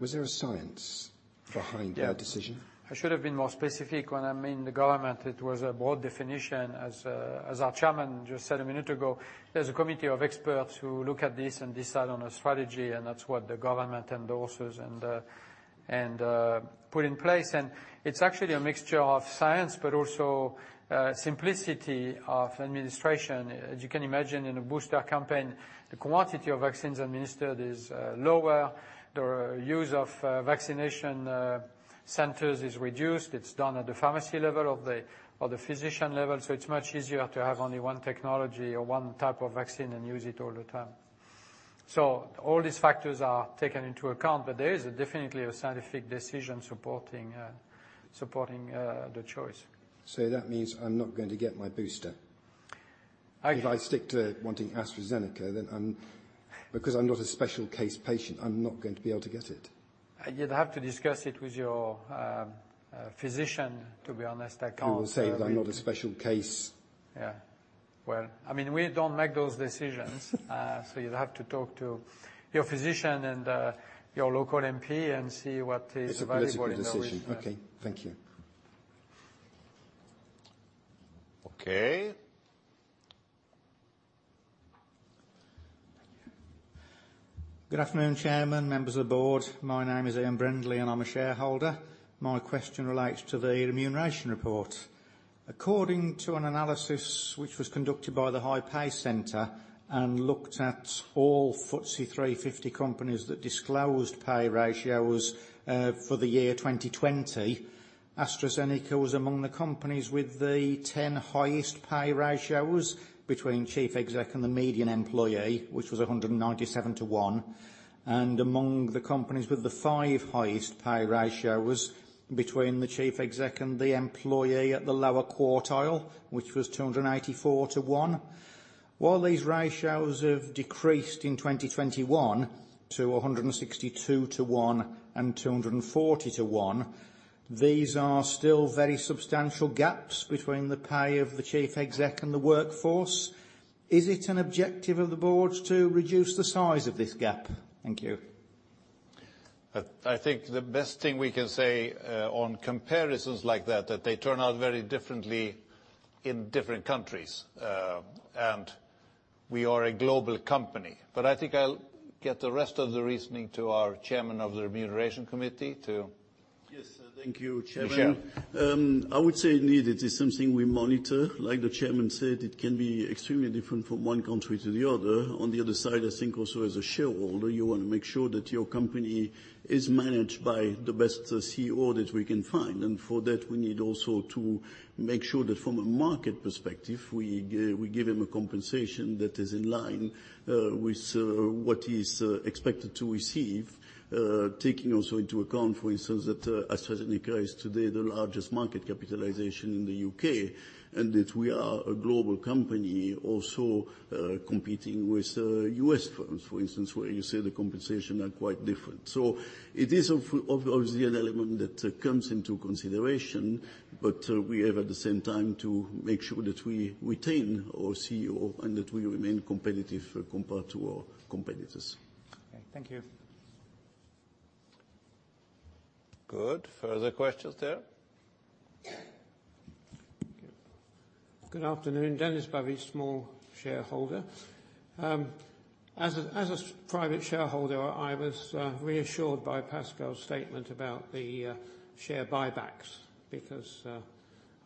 Speaker 7: Was there a science behind that decision?
Speaker 3: Yeah. I should have been more specific when I mean the government. It was a broad definition. As our Chairman just said a minute ago, there's a committee of experts who look at this and decide on a strategy, and that's what the government endorses and put in place. It's actually a mixture of science, but also simplicity of administration. As you can imagine in a booster campaign, the quantity of vaccines administered is lower. The use of vaccination centers is reduced. It's done at the pharmacy level or the physician level. It's much easier to have only one technology or one type of vaccine and use it all the time. All these factors are taken into account, but there is definitely a scientific decision supporting the choice.
Speaker 7: That means I'm not going to get my booster.
Speaker 3: I-
Speaker 7: If I stick to wanting AstraZeneca, then I'm, because I'm not a special case patient, I'm not going to be able to get it?
Speaker 3: You'd have to discuss it with your physician. To be honest, I can't,
Speaker 7: Who will say that I'm not a special case?
Speaker 3: Yeah. Well, I mean, we don't make those decisions. You'd have to talk to your physician and your local MP, and see what is available in your-
Speaker 7: It's a political decision. Okay. Thank you.
Speaker 2: Okay.
Speaker 8: Good afternoon, Chairman, members of the board. My name is Ian Brindley and I'm a shareholder. My question relates to the remuneration report. According to an analysis which was conducted by the High Pay Center and looked at all FTSE 350 companies that disclosed pay ratios for the year 2020, AstraZeneca was among the companies with the 10 highest pay ratios between chief exec and the median employee, which was 197-to-1. Among the companies with the five highest pay ratios between the chief exec and the employee at the lower quartile, which was 284-to-1. While these ratios have decreased in 2021 to 162-to-1 and 240-to-1, these are still very substantial gaps between the pay of the chief exec and the workforce. Is it an objective of the board to reduce the size of this gap? Thank you.
Speaker 2: I think the best thing we can say on comparisons like that they turn out very differently in different countries. We are a global company, but I think I'll get the rest of the reasoning to our Chairman of the Remuneration Committee to
Speaker 9: Yes, thank you, Chairman.
Speaker 2: Michel.
Speaker 9: I would say indeed it is something we monitor. Like the Chairman said, it can be extremely different from one country to the other. On the other side, I think also as a shareholder, you wanna make sure that your company is managed by the best CEO that we can find. For that, we need also to make sure that from a market perspective, we give him a compensation that is in line with what he's expected to receive. Taking also into account, for instance, that AstraZeneca is today the largest market capitalization in the U.K., and that we are a global company also, competing with US firms, for instance, where you say the compensation are quite different. It is obviously an element that comes into consideration, but we have at the same time to make sure that we retain our CEO and that we remain competitive compared to our competitors.
Speaker 8: Okay, thank you.
Speaker 2: Good. Further questions there?
Speaker 10: Good afternoon, Dennis Bubby, small shareholder. As a private shareholder, I was reassured by Pascal's statement about the share buybacks because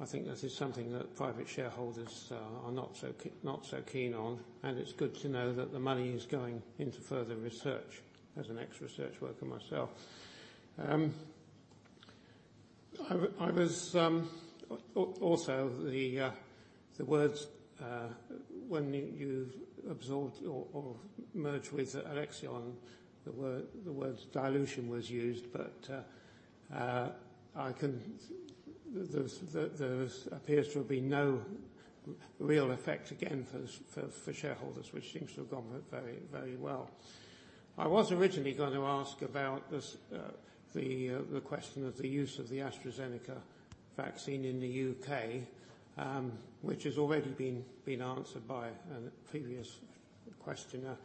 Speaker 10: I think this is something that private shareholders are not so keen on, and it's good to know that the money is going into further research, as an ex-research worker myself. Also, the words when you absorbed or merged with Alexion, the word dilution was used, but there appears to be no real effect again for shareholders, which seems to have gone very well. I was originally going to ask about this, the question of the use of the AstraZeneca vaccine in the U.K., which has already been answered by a previous questioner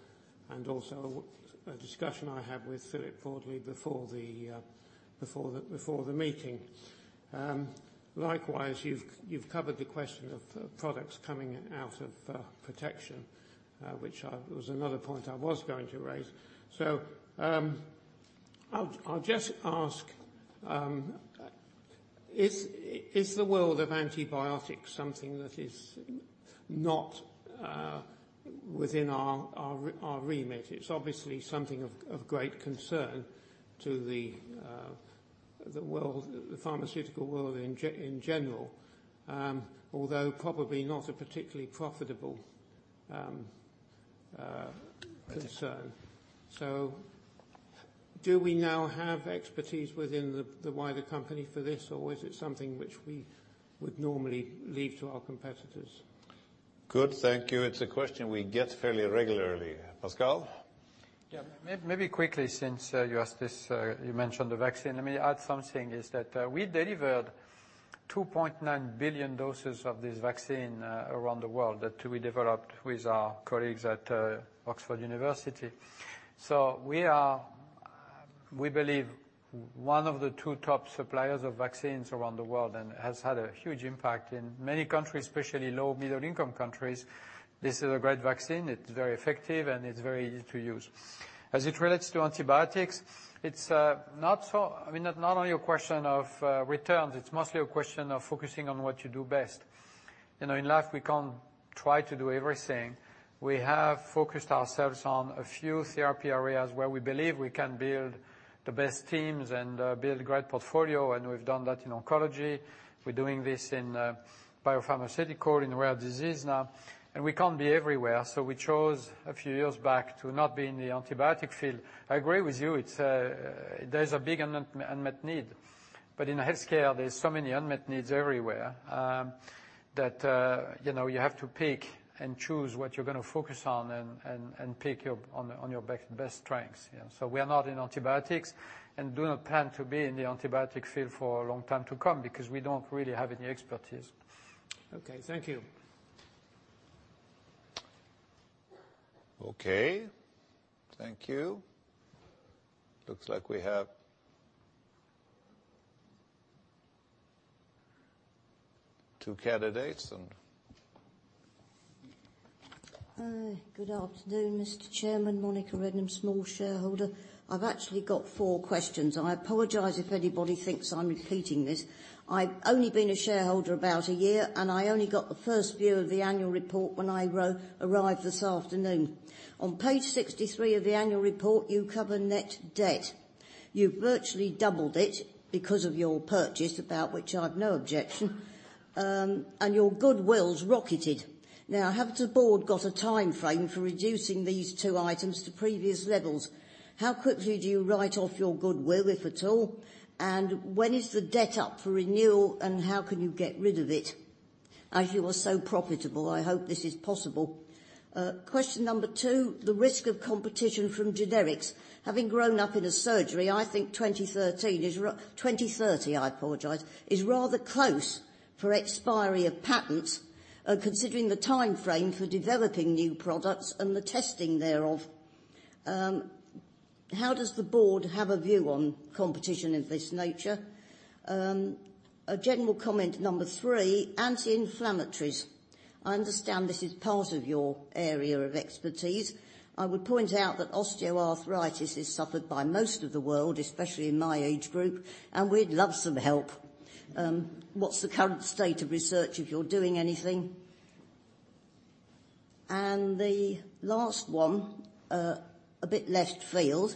Speaker 10: and also a discussion I had with Philip Broadley before the meeting. Likewise, you've covered the question of products coming out of protection, which was another point I was going to raise. I'll just ask, is the world of antibiotics something that is not within our remit? It's obviously something of great concern to the world, the pharmaceutical world in general, although probably not a particularly profitable concern. Do we now have expertise within the wider company for this, or is it something which we would normally leave to our competitors?
Speaker 2: Good, thank you. It's a question we get fairly regularly. Pascal?
Speaker 3: Yeah. Maybe quickly since you asked this, you mentioned the vaccine. Let me add something is that we delivered 2.9 billion doses of this vaccine around the world that we developed with our colleagues at Oxford University. We are, we believe, one of the two top suppliers of vaccines around the world and has had a huge impact in many countries, especially low- and middle-income countries. This is a great vaccine. It's very effective, and it's very easy to use. As it relates to antibiotics, it's not so. I mean, not only a question of returns, it's mostly a question of focusing on what you do best. You know, in life, we can't try to do everything. We have focused ourselves on a few therapy areas where we believe we can build the best teams and build a great portfolio, and we've done that in oncology. We're doing this in biopharmaceutical, in rare disease now, and we can't be everywhere. We chose a few years back to not be in the antibiotic field. I agree with you. There's a big unmet need. In healthcare, there's so many unmet needs everywhere, that you know, you have to pick and choose what you're gonna focus on and pick your own best strengths, you know. We are not in antibiotics and do not plan to be in the antibiotic field for a long time to come because we don't really have any expertise.
Speaker 10: Okay, thank you.
Speaker 2: Okay. Thank you. Looks like we have two candidates and.
Speaker 11: Good afternoon, Mr. Chairman. Monica Sheridan, small shareholder. I've actually got four questions. I apologize if anybody thinks I'm repeating this. I've only been a shareholder about a year, and I only got the first view of the annual report when I arrived this afternoon. On page 63 of the annual report, you cover net debt. You've virtually doubled it because of your purchase, about which I have no objection, and your goodwill's rocketed. Now, has the board got a timeframe for reducing these two items to previous levels? How quickly do you write off your goodwill, if at all? And when is the debt up for renewal, and how can you get rid of it? As you are so profitable, I hope this is possible. Question number two, the risk of competition from generics. Having grown up in a surgery, I think 2013 is, 2030, I apologize, is rather close for expiry of patents, considering the timeframe for developing new products and the testing thereof. How does the board have a view on competition of this nature? A general comment number three, anti-inflammatories. I understand this is part of your area of expertise. I would point out that osteoarthritis is suffered by most of the world, especially in my age group, and we'd love some help. What's the current state of research, if you're doing anything? The last one, a bit left field.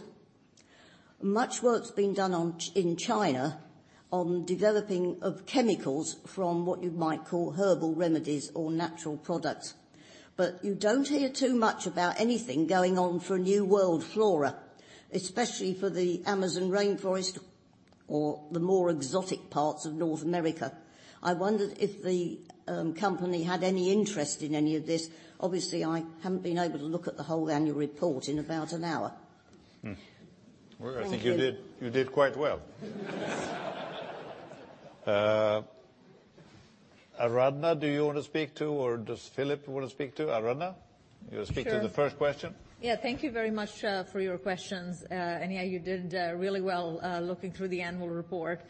Speaker 11: Much work's been done in China on developing of chemicals from what you might call herbal remedies or natural products. You don't hear too much about anything going on for a new world flora, especially for the Amazon rainforest or the more exotic parts of North America. I wondered if the company had any interest in any of this? Obviously, I haven't been able to look at the whole annual report in about an hour.
Speaker 2: Hmm.
Speaker 11: Thank you.
Speaker 2: Well, I think you did quite well. Aradhana, do you want to speak to, or does Philip want to speak to? Aradhana?
Speaker 12: Sure.
Speaker 2: You want to speak to the first question?
Speaker 12: Yeah, thank you very much for your questions. Yeah, you did really well looking through the annual report.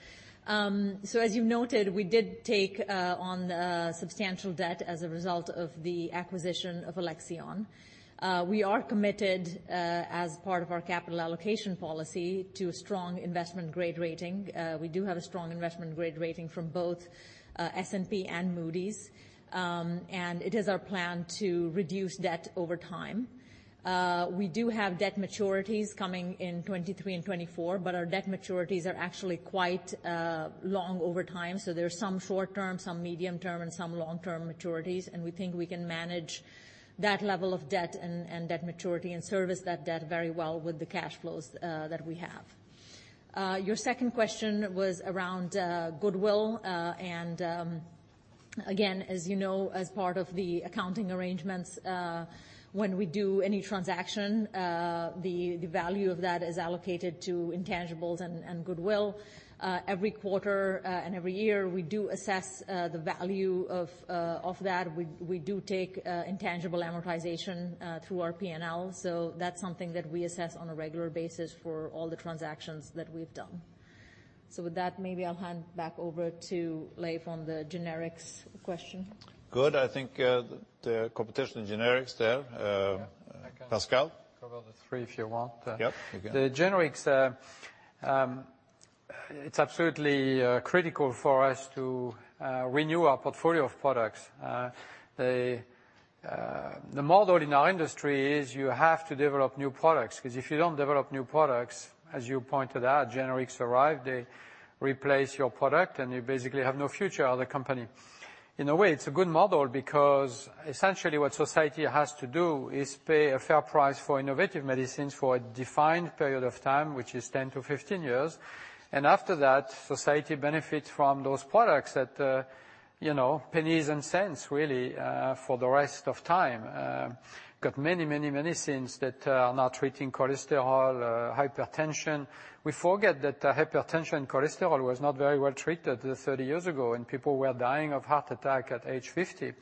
Speaker 12: As you noted, we did take on substantial debt as a result of the acquisition of Alexion. We are committed as part of our capital allocation policy to a strong investment grade rating. We do have a strong investment grade rating from both S&P and Moody's. It is our plan to reduce debt over time. We do have debt maturities coming in 2023 and 2024, but our debt maturities are actually quite long over time. There's some short-term, some medium term, and some long-term maturities, and we think we can manage that level of debt and debt maturity and service that debt very well with the cash flows that we have. Your second question was around goodwill. Again, as you know, as part of the accounting arrangements, when we do any transaction, the value of that is allocated to intangibles and goodwill. Every quarter and every year, we do assess the value of that. We do take intangible amortization through our P&L, so that's something that we assess on a regular basis for all the transactions that we've done. With that, maybe I'll hand back over to Leif on the generics question.
Speaker 2: Good. I think the competition in generics there.
Speaker 3: Yeah. I can.
Speaker 2: Pascal?
Speaker 3: Cover the three if you want.
Speaker 2: Yep. You can.
Speaker 3: The generics, it's absolutely critical for us to renew our portfolio of products. The model in our industry is you have to develop new products, 'cause if you don't develop new products, as you pointed out, generics arrive, they replace your product, and you basically have no future of the company. In a way, it's a good model because essentially what society has to do is pay a fair price for innovative medicines for a defined period of time, which is 10-15 years. After that, society benefits from those products at, you know, pennies and cents really, for the rest of time. Got many medicines that are now treating cholesterol, hypertension. We forget that hypertension, cholesterol was not very well treated 30 years ago, and people were dying of heart attack at age 50.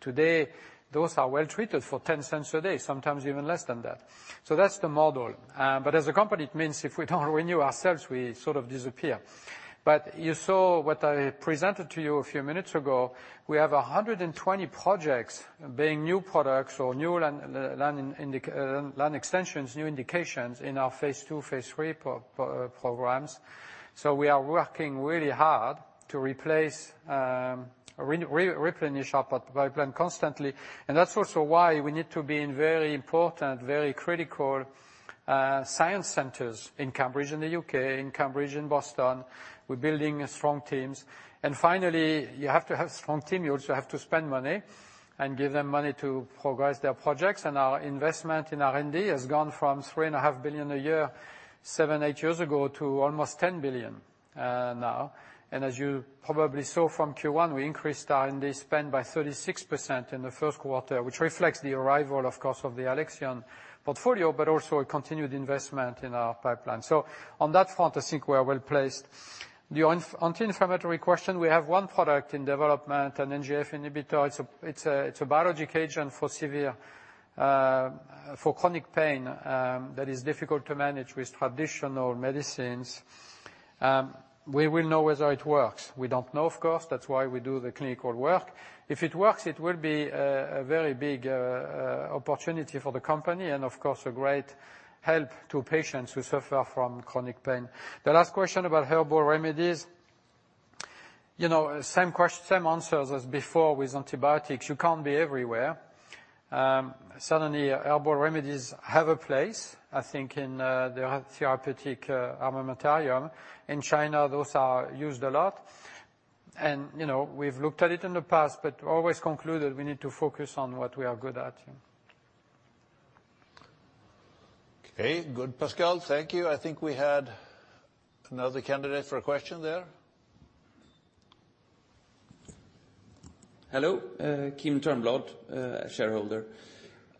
Speaker 3: Today, those are well treated for $0.10 a day, sometimes even less than that. That's the model. You saw what I presented to you a few minutes ago. We have 120 projects being new products or new line indications, line extensions, new indications in our phase II, phase III programs. We are working really hard to replace, replenish our pipeline constantly. That's also why we need to be in very important, very critical, science centers in Cambridge, in the U.K., in Cambridge, in Boston. We're building strong teams. Finally, you have to have strong team. You also have to spend money and give them money to progress their projects. Our investment in R&D has gone from $3.5 billion a year, 7-8 years ago, to almost $10 billion now. As you probably saw from Q1, we increased our R&D spend by 36% in the first quarter, which reflects the arrival, of course, of the Alexion portfolio, but also a continued investment in our pipeline. On that front, I think we are well-placed. The inflammatory question, we have one product in development, an NGF inhibitor. It's a biologic agent for severe chronic pain that is difficult to manage with traditional medicines. We will know whether it works. We don't know, of course. That's why we do the clinical work. If it works, it will be a very big opportunity for the company and of course, a great help to patients who suffer from chronic pain. The last question about herbal remedies, you know, same answers as before with antibiotics. You can't be everywhere. Certainly herbal remedies have a place, I think, in the therapeutic armamentarium. In China, those are used a lot. You know, we've looked at it in the past, but always concluded we need to focus on what we are good at.
Speaker 2: Okay. Good, Pascal. Thank you. I think we had another candidate for a question there.
Speaker 13: Hello. Kim Turnbull, shareholder.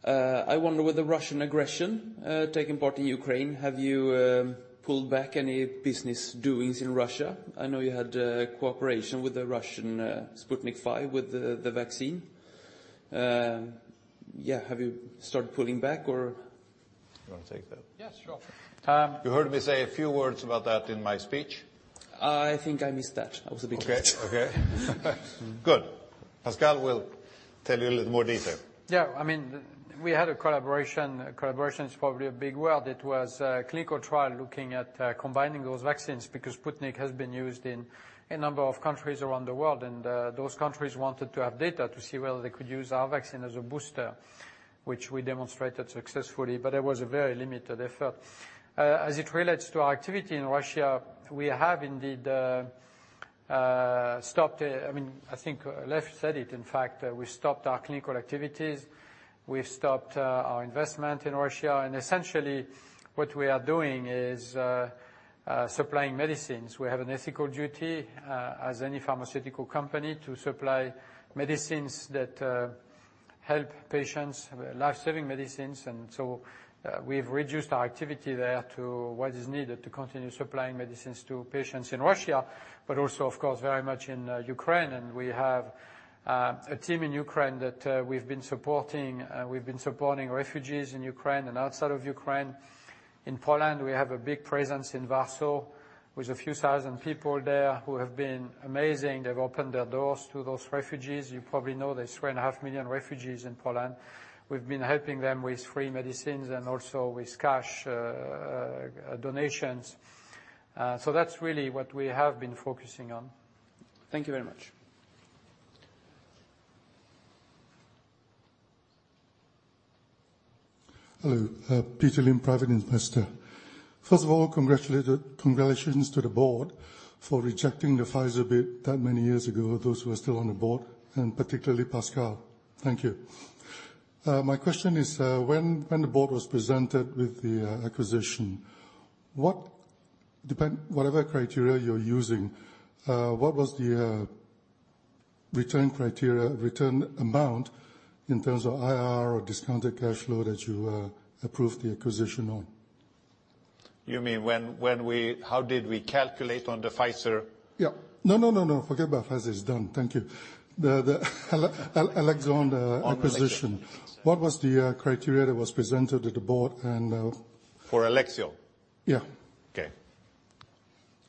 Speaker 13: I wonder with the Russian aggression taking place in Ukraine, have you pulled back any business dealings in Russia? I know you had cooperation with the Russian Sputnik V with the vaccine. Yeah, have you started pulling back, or-
Speaker 2: You want to take that?
Speaker 3: Yes, sure.
Speaker 2: You heard me say a few words about that in my speech.
Speaker 13: I think I missed that. I was a bit late.
Speaker 2: Okay, okay. Good. Pascal will tell you a little more detail.
Speaker 3: Yeah, I mean, we had a collaboration. Collaboration is probably a big word. It was a clinical trial looking at combining those vaccines because Sputnik has been used in a number of countries around the world. Those countries wanted to have data to see whether they could use our vaccine as a booster, which we demonstrated successfully, but it was a very limited effort. As it relates to our activity in Russia, we have indeed stopped. I mean, I think Leif said it, in fact, that we stopped our clinical activities. We've stopped our investment in Russia. Essentially, what we are doing is supplying medicines. We have an ethical duty as any pharmaceutical company to supply medicines that help patients, life-saving medicines. We've reduced our activity there to what is needed to continue supplying medicines to patients in Russia, but also, of course, very much in Ukraine. We have a team in Ukraine that we've been supporting. We've been supporting refugees in Ukraine and outside of Ukraine. In Poland, we have a big presence in Warsaw, with a few thousand people there who have been amazing. They've opened their doors to those refugees. You probably know there's 3.5 million refugees in Poland. We've been helping them with free medicines and also with cash donations. That's really what we have been focusing on. Thank you very much.
Speaker 14: Hello. Peter Lim, private investor. First of all, congratulations to the board for rejecting the Pfizer bid that many years ago, those who are still on the board, and particularly Pascal. Thank you. My question is, when the board was presented with the acquisition, whatever criteria you're using, what was the return criteria, return amount in terms of IRR or discounted cash flow that you approved the acquisition on?
Speaker 2: How did we calculate on the Pfizer?
Speaker 14: Yeah. No. Forget about Pfizer, it's done. Thank you. The Alexion acquisition.
Speaker 2: Alexion.
Speaker 14: What was the criteria that was presented to the board and?
Speaker 2: For Alexion?
Speaker 14: Yeah.
Speaker 2: Okay.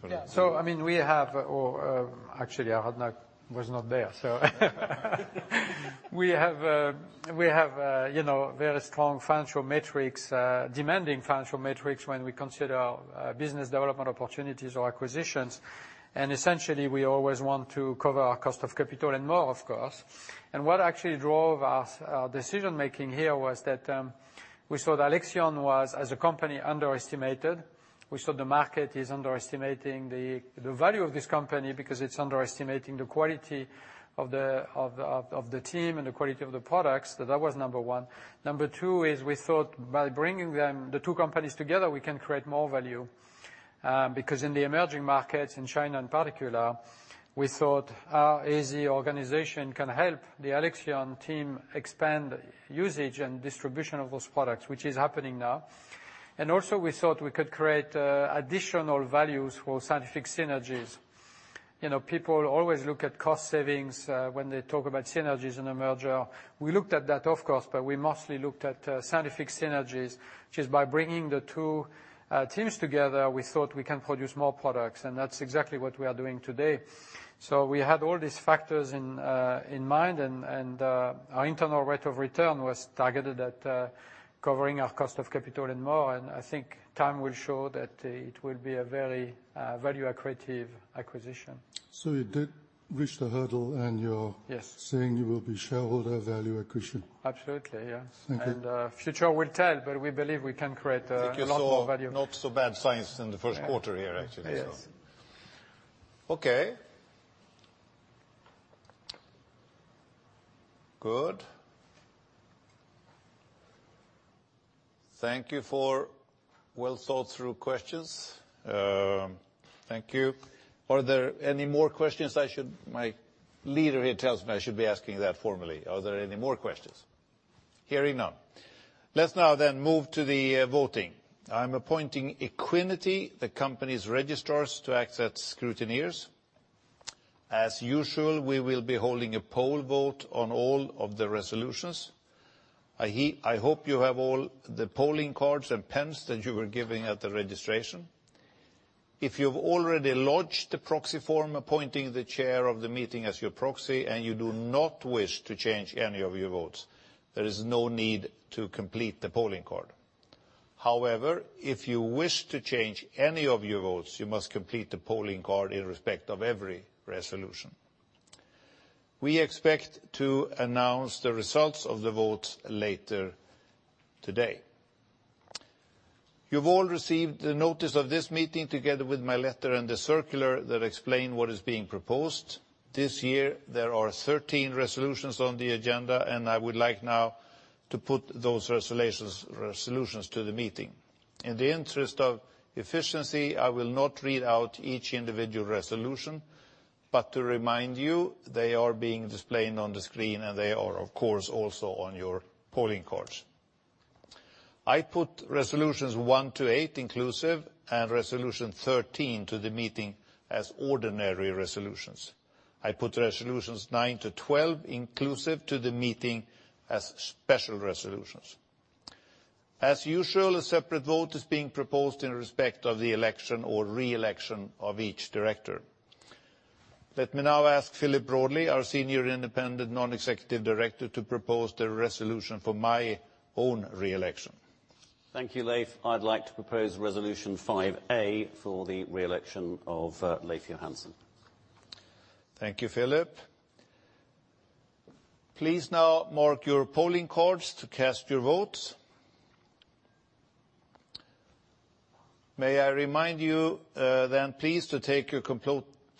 Speaker 3: Actually, I was not there, so we have you know, very strong financial metrics, demanding financial metrics when we consider business development opportunities or acquisitions. Essentially, we always want to cover our cost of capital and more, of course. What actually drove our decision-making here was that we saw that Alexion was, as a company, underestimated. We saw the market is underestimating the value of this company because it's underestimating the quality of the team and the quality of the products. That was number one. Number two is we thought by bringing them, the two companies together, we can create more value, because in the emerging markets, in China in particular, we thought our AZ organization can help the Alexion team expand usage and distribution of those products, which is happening now. Also, we thought we could create additional values for scientific synergies. You know, people always look at cost savings when they talk about synergies in a merger. We looked at that, of course, but we mostly looked at scientific synergies. Just by bringing the two teams together, we thought we can produce more products, and that's exactly what we are doing today. We had all these factors in mind, and our internal rate of return was targeted at covering our cost of capital and more. I think time will show that it will be a very value-accretive acquisition.
Speaker 14: You did reach the hurdle, and you're-
Speaker 3: Yes
Speaker 14: Saying you will be shareholder value accretion?
Speaker 3: Absolutely, yes.
Speaker 14: Thank you.
Speaker 3: Future will tell, but we believe we can create a lot more value.
Speaker 2: I think you saw not so bad science in the first quarter here, actually.
Speaker 3: Yes.
Speaker 2: Okay. Good. Thank you for well-thought-through questions. Thank you. Are there any more questions? My leader here tells me I should be asking that formally. Are there any more questions? Hearing none. Let's now then move to the voting. I'm appointing Equiniti, the company's registrars, to act as scrutineers. As usual, we will be holding a poll vote on all of the resolutions. I hope you have all the polling cards and pens that you were given at the registration. If you've already lodged the proxy form appointing the chair of the meeting as your proxy and you do not wish to change any of your votes, there is no need to complete the polling card. However, if you wish to change any of your votes, you must complete the polling card in respect of every resolution. We expect to announce the results of the votes later today. You've all received a notice of this meeting together with my letter and the circular that explain what is being proposed. This year, there are 13 resolutions on the agenda, and I would like now to put those resolutions to the meeting. In the interest of efficiency, I will not read out each individual resolution, but to remind you, they are being displayed on the screen, and they are, of course, also on your polling cards. I put resolutions 1-8 inclusive and resolution 13 to the meeting as ordinary resolutions. I put resolutions 9-12 inclusive to the meeting as special resolutions. As usual, a separate vote is being proposed in respect of the election or reelection of each director. Let me now ask Philip Broadley, our Senior Independent Non-Executive Director, to propose the resolution for my own reelection.
Speaker 15: Thank you, Leif. I'd like to propose resolution 5-A for the reelection of Leif Johansson.
Speaker 2: Thank you, Philip. Please now mark your polling cards to cast your votes. May I remind you, then please to take your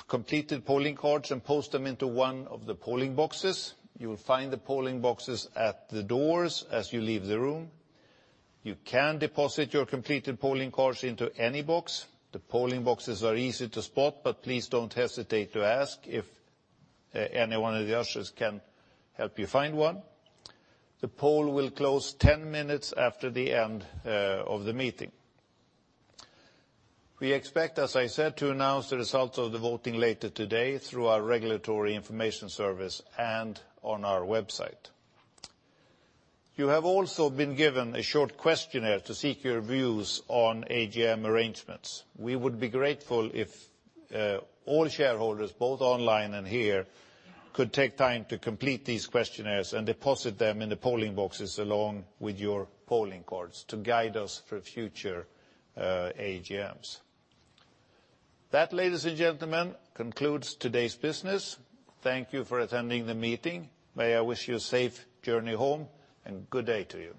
Speaker 2: completed polling cards and post them into one of the polling boxes. You will find the polling boxes at the doors as you leave the room. You can deposit your completed polling cards into any box. The polling boxes are easy to spot, but please don't hesitate to ask if any one of the ushers can help you find one. The poll will close 10 minutes after the end of the meeting. We expect, as I said, to announce the results of the voting later today through our regulatory information service and on our website. You have also been given a short questionnaire to seek your views on AGM arrangements. We would be grateful if all shareholders, both online and here, could take time to complete these questionnaires and deposit them in the polling boxes along with your polling cards to guide us for future AGMs. That, ladies and gentlemen, concludes today's business. Thank you for attending the meeting. May I wish you a safe journey home, and good day to you.